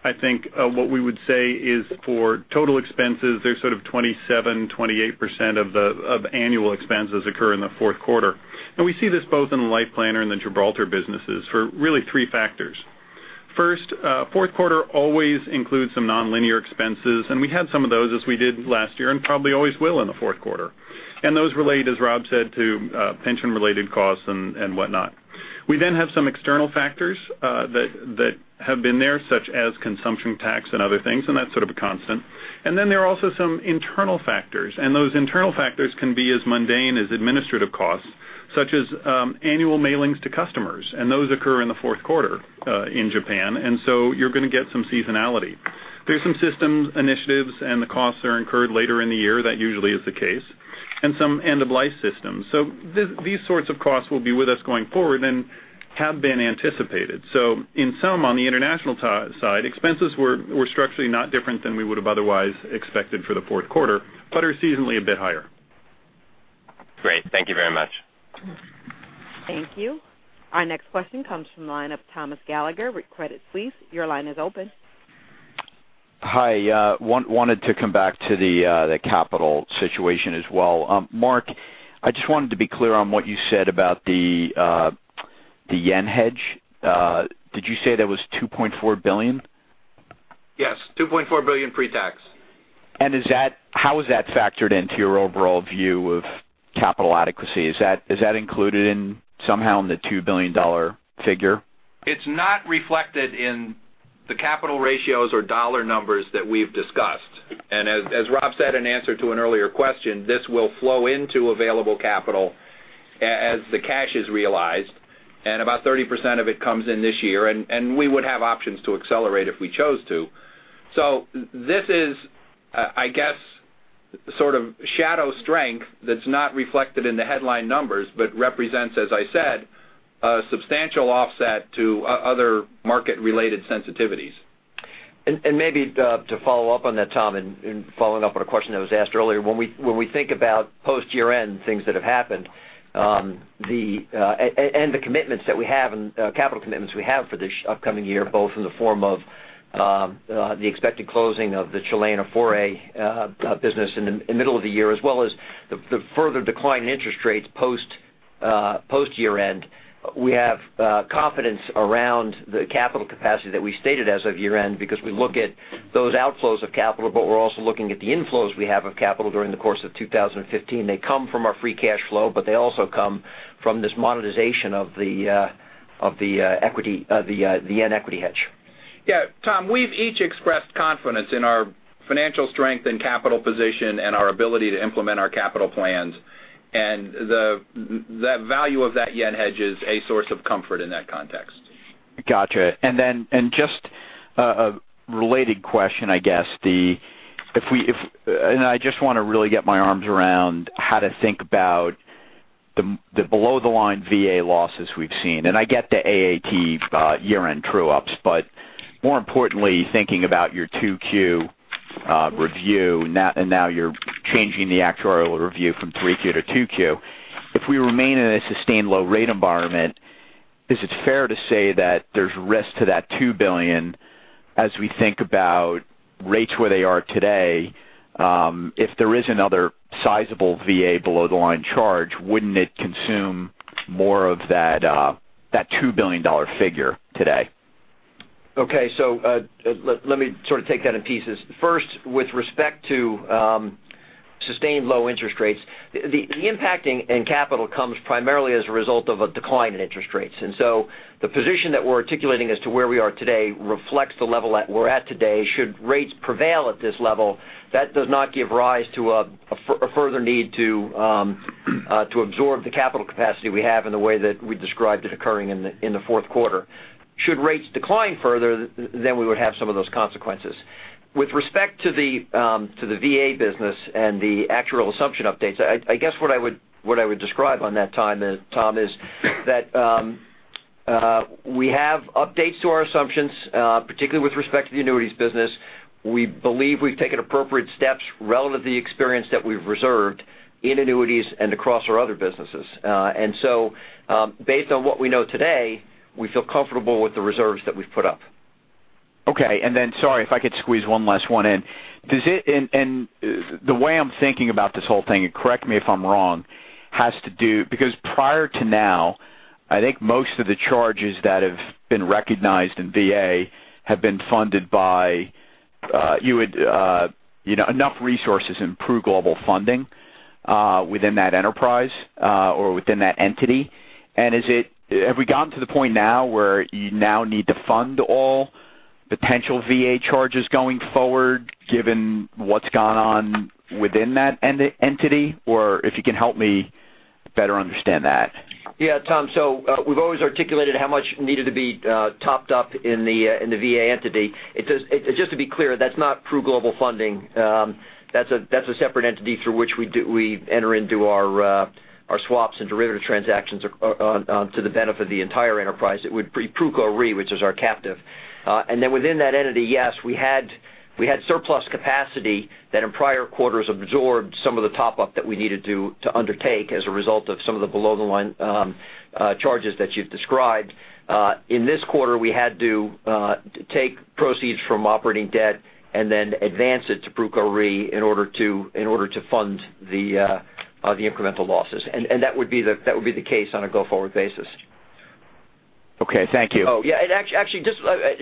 I think what we would say is for total expenses, they're sort of 27%, 28% of annual expenses occur in the fourth quarter. We see this both in the Life Planner and the Gibraltar businesses for really three factors. First, fourth quarter always includes some nonlinear expenses, and we had some of those as we did last year, and probably always will in the fourth quarter. Those relate, as Rob said, to pension-related costs and whatnot. We then have some external factors that have been there, such as consumption tax and other things, and that's sort of a constant. Then there are also some internal factors, and those internal factors can be as mundane as administrative costs, such as annual mailings to customers, and those occur in the fourth quarter in Japan, and you're going to get some seasonality. There's some system initiatives, and the costs are incurred later in the year. That usually is the case. And some end-of-life systems. These sorts of costs will be with us going forward and have been anticipated. In sum, on the international side, expenses were structurally not different than we would have otherwise expected for the fourth quarter, but are seasonally a bit higher. Great. Thank you very much. Thank you. Our next question comes from the line of Thomas Gallagher, Credit Suisse. Your line is open. Hi, wanted to come back to the capital situation as well. Mark, I just wanted to be clear on what you said about the yen hedge. Did you say that was $2.4 billion? Yes, $2.4 billion pre-tax. How is that factored into your overall view of capital adequacy? Is that included in somehow in the $2 billion figure? It's not reflected in the capital ratios or dollar numbers that we've discussed. As Rob said in answer to an earlier question, this will flow into available capital as the cash is realized, about 30% of it comes in this year, and we would have options to accelerate if we chose to. This is, I guess, sort of shadow strength that's not reflected in the headline numbers, but represents, as I said, a substantial offset to other market-related sensitivities. Maybe to follow up on that, Tom, and following up on a question that was asked earlier. When we think about post-year-end things that have happened, and the capital commitments we have for this upcoming year, both in the form of the expected closing of the Chilean foreign business in the middle of the year, as well as the further decline in interest rates post year-end. We have confidence around the capital capacity that we stated as of year-end because we look at those outflows of capital, but we're also looking at the inflows we have of capital during the course of 2015. They come from our free cash flow, but they also come from this monetization of the yen equity hedge. Tom, we've each expressed confidence in our financial strength and capital position and our ability to implement our capital plans. The value of that yen hedge is a source of comfort in that context. Gotcha. Just a related question, I guess. I just want to really get my arms around how to think about the below-the-line VA losses we've seen. I get the AAT year-end true-ups. More importantly, thinking about your 2Q review, now you're changing the actuarial review from 3Q to 2Q. If we remain in a sustained low rate environment, is it fair to say that there's risk to that $2 billion as we think about rates where they are today? If there is another sizable VA below-the-line charge, wouldn't it consume more of that $2 billion figure today? Okay. Let me sort of take that in pieces. First, with respect to- Sustained low interest rates. The impact in capital comes primarily as a result of a decline in interest rates. The position that we're articulating as to where we are today reflects the level that we're at today. Should rates prevail at this level, that does not give rise to a further need to absorb the capital capacity we have in the way that we described it occurring in the fourth quarter. Should rates decline further, we would have some of those consequences. With respect to the VA business and the actuarial assumption updates, I guess what I would describe on that, Tom, is that we have updates to our assumptions, particularly with respect to the annuities business. We believe we've taken appropriate steps relative to the experience that we've reserved in annuities and across our other businesses. Based on what we know today, we feel comfortable with the reserves that we've put up. Okay. Sorry, if I could squeeze one last one in. The way I'm thinking about this whole thing, correct me if I'm wrong. Prior to now, I think most of the charges that have been recognized in VA have been funded by enough resources in Pru Global Funding within that enterprise or within that entity. Have we gotten to the point now where you now need to fund all potential VA charges going forward given what's gone on within that entity? If you can help me better understand that. Yeah, Tom. We've always articulated how much needed to be topped up in the VA entity. Just to be clear, that's not Pru Global Funding. That's a separate entity through which we enter into our swaps and derivative transactions to the benefit of the entire enterprise. It would be Pru Re, which is our captive. Within that entity, yes, we had surplus capacity that in prior quarters absorbed some of the top-up that we needed to undertake as a result of some of the below-the-line charges that you've described. In this quarter, we had to take proceeds from operating debt and then advance it to Pru Re in order to fund the incremental losses. That would be the case on a go-forward basis. Okay. Thank you. Actually, just let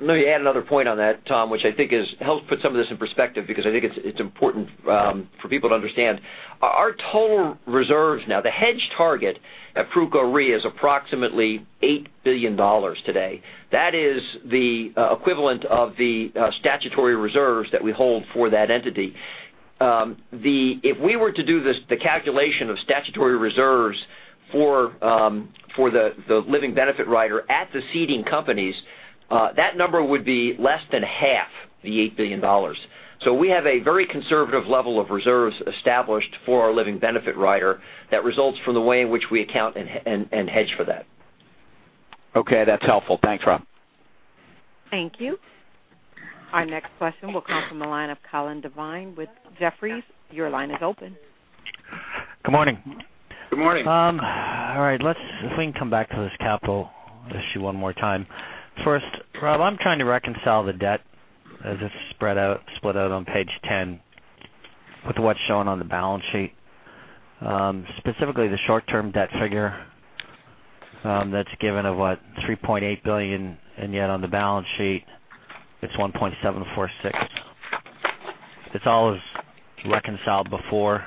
me add another point on that, Tom, which I think helps put some of this in perspective because I think it's important for people to understand. Our total reserves now, the hedge target at Pru Re is approximately $8 billion today. That is the equivalent of the statutory reserves that we hold for that entity. If we were to do the calculation of statutory reserves for the living benefit rider at the ceding companies, that number would be less than half the $8 billion. We have a very conservative level of reserves established for our living benefit rider that results from the way in which we account and hedge for that. Okay, that's helpful. Thanks, Rob. Thank you. Our next question will come from the line of Colin Devine with Jefferies. Your line is open. Good morning. Good morning. All right. If we can come back to this capital issue one more time. First, Rob, I'm trying to reconcile the debt as it's split out on page 10 with what's shown on the balance sheet, specifically the short-term debt figure that's given of, what, $3.8 billion, and yet on the balance sheet it's $1.746. This all is reconciled before.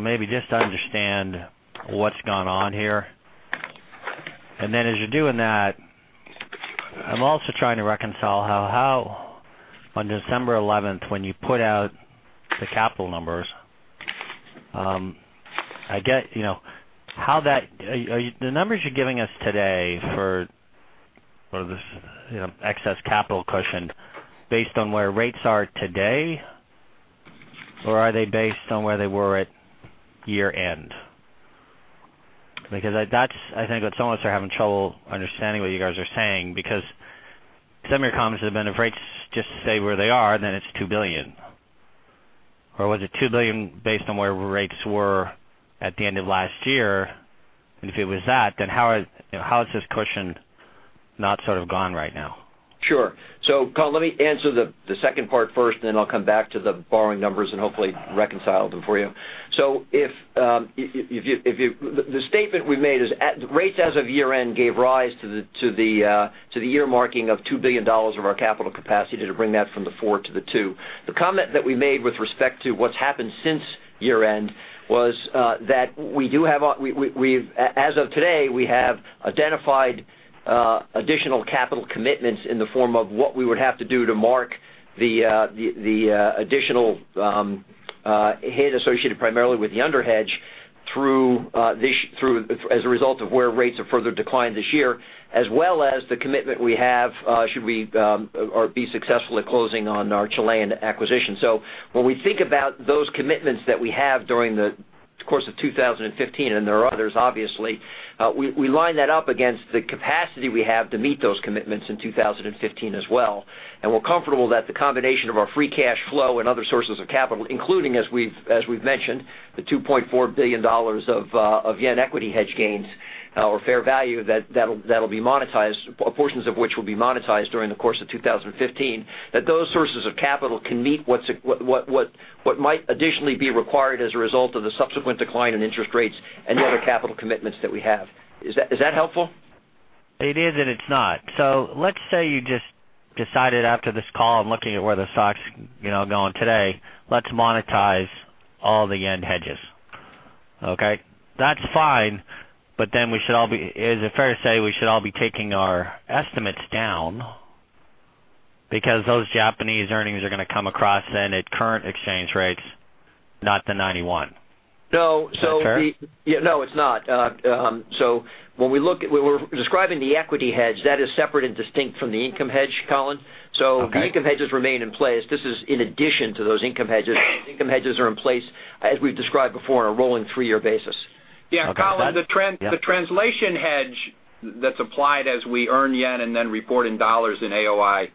Maybe just to understand what's gone on here. As you're doing that, I'm also trying to reconcile how on December 11th, when you put out the capital numbers. Are the numbers you're giving us today for this excess capital cushion based on where rates are today, or are they based on where they were at year-end? That's I think what some of us are having trouble understanding what you guys are saying, because some of your comments have been if rates just stay where they are, it's $2 billion. Was it $2 billion based on where rates were at the end of last year? If it was that, how is this cushion not sort of gone right now? Sure. Colin, let me answer the second part first, I'll come back to the borrowing numbers and hopefully reconcile them for you. The statement we made is rates as of year-end gave rise to the year marking of $2 billion of our capital capacity to bring that from the 4 to the 2. The comment that we made with respect to what's happened since year-end was that as of today, we have identified additional capital commitments in the form of what we would have to do to mark the additional hit associated primarily with the underhedge as a result of where rates have further declined this year, as well as the commitment we have should we be successful at closing on our Chilean acquisition. When we think about those commitments that we have during the course of 2015, and there are others, obviously, we line that up against the capacity we have to meet those commitments in 2015 as well. We're comfortable that the combination of our free cash flow and other sources of capital, including, as we've mentioned, the $2.4 billion of yen equity hedge gains or fair value that'll be monetized, portions of which will be monetized during the course of 2015, that those sources of capital can meet what might additionally be required as a result of the subsequent decline in interest rates and other capital commitments that we have. Is that helpful? It is, and it's not. Let's say you just decided after this call and looking at where the stock's going today, let's monetize all the yen hedges. Okay? That's fine. Is it fair to say we should all be taking our estimates down because those Japanese earnings are going to come across at current exchange rates, not the 91. No. Is that fair? No, it's not. When we're describing the equity hedge, that is separate and distinct from the income hedge, Colin. Okay. The income hedges remain in place. This is in addition to those income hedges. Income hedges are in place, as we've described before, on a rolling three-year basis. Okay. Yeah, Colin. Yeah. The translation hedge that's applied as we earn yen and then report in dollars in AOI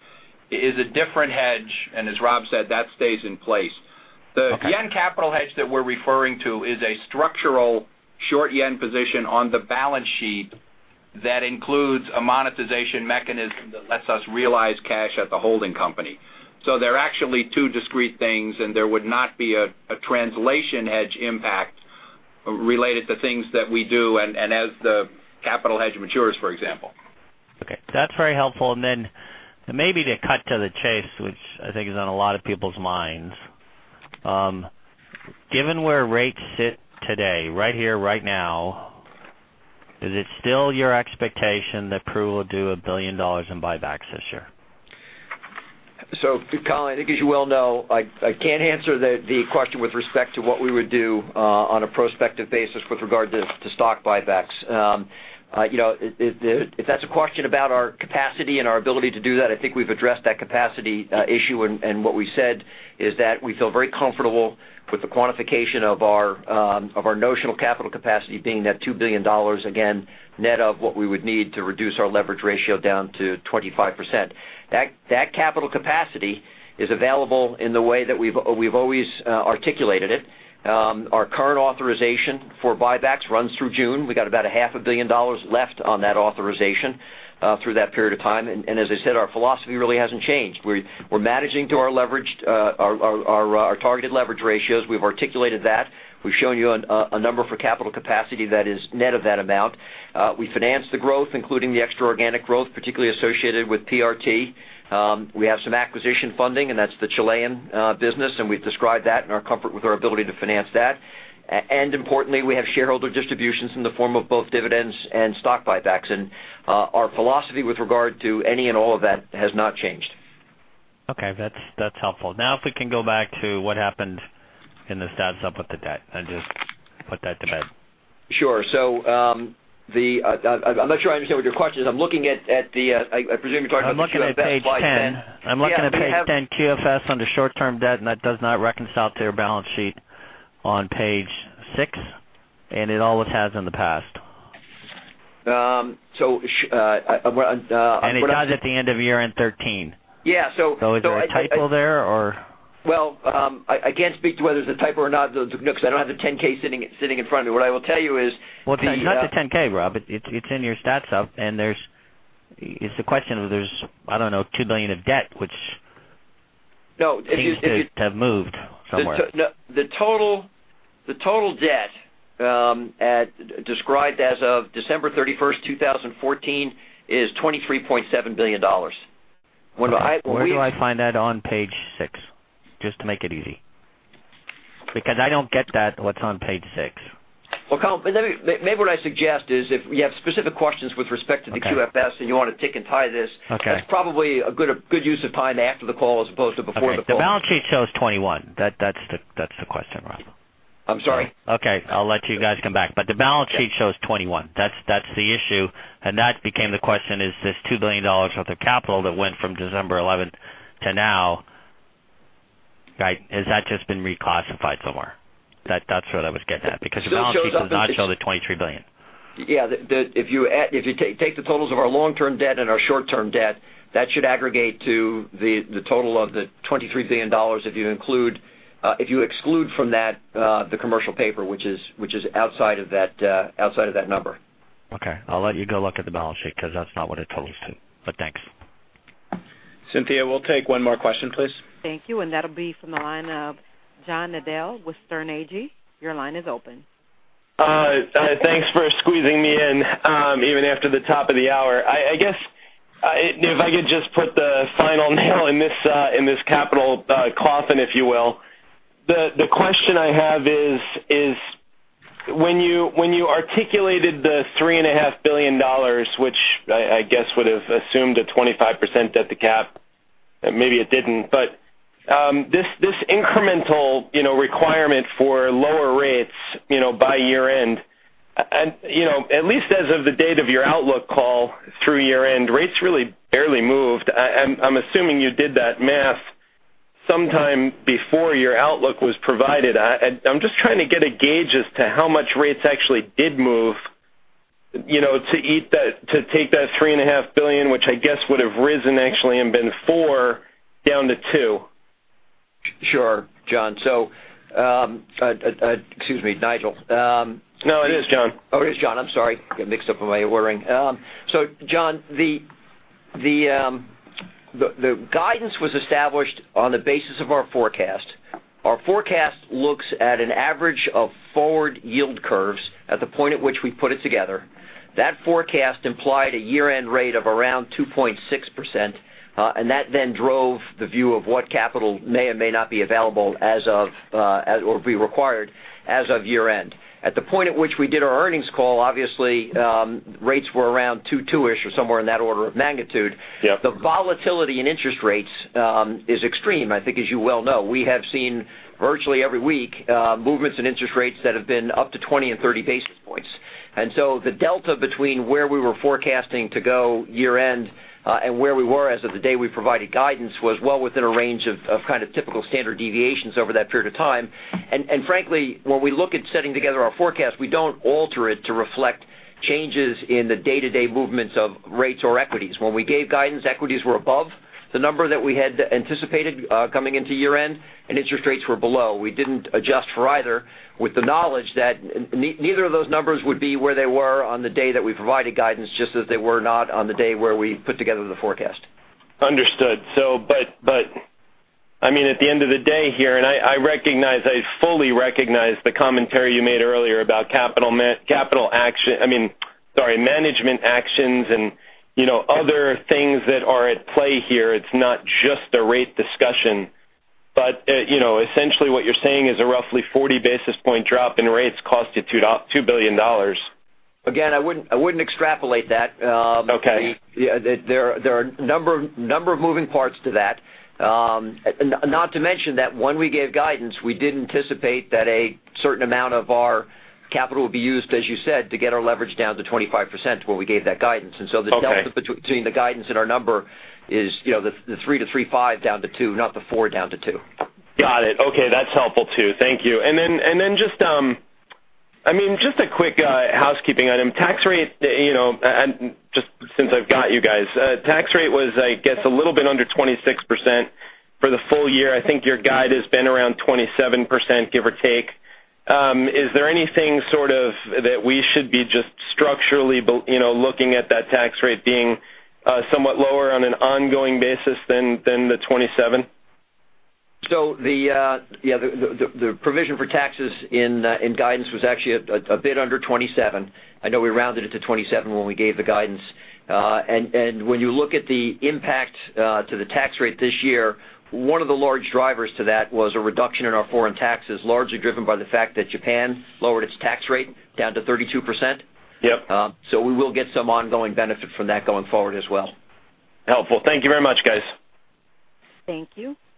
is a different hedge, and as Rob said, that stays in place. Okay. The yen capital hedge that we're referring to is a structural short yen position on the balance sheet that includes a monetization mechanism that lets us realize cash at the holding company. They're actually two discrete things, and there would not be a translation hedge impact related to things that we do and as the capital hedge matures, for example. Okay. That's very helpful. Then maybe to cut to the chase, which I think is on a lot of people's minds. Given where rates sit today, right here, right now, is it still your expectation that Pru will do $1 billion in buybacks this year? Colin, I think as you well know, I can't answer the question with respect to what we would do on a prospective basis with regard to stock buybacks. If that's a question about our capacity and our ability to do that, I think we've addressed that capacity issue, and what we said is that we feel very comfortable with the quantification of our notional capital capacity being that $2 billion, again, net of what we would need to reduce our leverage ratio down to 25%. That capital capacity is available in the way that we've always articulated it. Our current authorization for buybacks runs through June. We got about a half a billion dollars left on that authorization through that period of time. As I said, our philosophy really hasn't changed. We're managing to our targeted leverage ratios. We've articulated that. We've shown you a number for capital capacity that is net of that amount. We finance the growth, including the extra organic growth, particularly associated with PRT. We have some acquisition funding, and that's the Chilean business, and we've described that and are comfort with our ability to finance that. Importantly, we have shareholder distributions in the form of both dividends and stock buybacks. Our philosophy with regard to any and all of that has not changed. Okay. That's helpful. If we can go back to what happened in the stats up with the debt and just put that to bed. Sure. I'm not sure I understand what your question is. I presume you're talking about the QFS by then. I'm looking at page 10. QFS under short-term debt, that does not reconcile to your balance sheet on page six, it always has in the past. So sh- It does at the end of year-end 2013. Yeah. Is there a typo there or? Well, I can't speak to whether it's a typo or not, though, because I don't have the 10-K sitting in front of me. What I will tell you is. Well, it's not the 10-K, Rob. It's in your stats up, and it's a question of there's, I don't know, $2 billion of debt which- No seems to have moved somewhere. The total debt described as of December 31st, 2014 is $23.7 billion. Where do I find that on page six? Just to make it easy. I don't get what's on page six. Well, Colin, maybe what I suggest is if you have specific questions with respect to the QFS and you want to tick and tie. Okay It's probably a good use of time after the call as opposed to before the call. Okay. The balance sheet shows $21. That's the question, Rob. I'm sorry. Okay. I'll let you guys come back. The balance sheet shows $21. That's the issue. That became the question, is this $2 billion worth of capital that went from December 11 to now, has that just been reclassified somewhere? That's what I was getting at because the balance sheet does not show the $23 billion. Yeah. If you take the totals of our long-term debt and our short-term debt, that should aggregate to the total of the $23 billion if you exclude from that the commercial paper, which is outside of that number. Okay. I'll let you go look at the balance sheet because that's not what it totals to. Thanks. Cynthia, we'll take one more question, please. Thank you, that'll be from the line of John Nadel with Sterne Agee. Your line is open. Thanks for squeezing me in, even after the top of the hour. I guess if I could just put the final nail in this capital coffin, if you will. The question I have is when you articulated the $3.5 billion, which I guess would have assumed a 25% at the cap, maybe it didn't, but this incremental requirement for lower rates by year-end, at least as of the date of your outlook call through year-end, rates really barely moved. I'm assuming you did that math sometime before your outlook was provided. I'm just trying to get a gauge as to how much rates actually did move to take that $3.5 billion, which I guess would have risen actually and been four down to two. Sure, John. Excuse me, Nigel. No, it is John. It is John. I'm sorry. Got mixed up with my ordering. John, the guidance was established on the basis of our forecast. Our forecast looks at an average of forward yield curves at the point at which we put it together. That forecast implied a year-end rate of around 2.6%, and that then drove the view of what capital may or may not be available, or be required as of year-end. At the point at which we did our earnings call, obviously, rates were around 2.2ish or somewhere in that order of magnitude. Yep. The volatility in interest rates is extreme, I think as you well know. We have seen virtually every week, movements in interest rates that have been up to 20 and 30 basis points. The delta between where we were forecasting to go year-end, and where we were as of the day we provided guidance, was well within a range of kind of typical standard deviations over that period of time. Frankly, when we look at setting together our forecast, we don't alter it to reflect changes in the day-to-day movements of rates or equities. When we gave guidance, equities were above the number that we had anticipated coming into year-end, and interest rates were below. We didn't adjust for either with the knowledge that neither of those numbers would be where they were on the day that we provided guidance, just as they were not on the day where we put together the forecast. Understood. At the end of the day here, and I fully recognize the commentary you made earlier about management actions and other things that are at play here. It's not just a rate discussion. Essentially what you're saying is a roughly 40 basis point drop in rates cost you $2 billion. I wouldn't extrapolate that. Okay. There are a number of moving parts to that. Not to mention that when we gave guidance, we did anticipate that a certain amount of our capital would be used, as you said, to get our leverage down to 25% when we gave that guidance. Okay. The delta between the guidance and our number is the 3-3.5 down to 2, not the 4 down to 2. Got it. Okay. That's helpful too. Thank you. Just a quick housekeeping item. Just since I've got you guys. Tax rate was, I guess, a little bit under 26% for the full year. I think your guide has been around 27%, give or take. Is there anything sort of that we should be just structurally looking at that tax rate being somewhat lower on an ongoing basis than the 27%? The provision for taxes in guidance was actually a bit under 27%. I know we rounded it to 27% when we gave the guidance. When you look at the impact to the tax rate this year, one of the large drivers to that was a reduction in our foreign taxes, largely driven by the fact that Japan lowered its tax rate down to 32%. Yep. We will get some ongoing benefit from that going forward as well. Helpful. Thank you very much, guys. Thank you.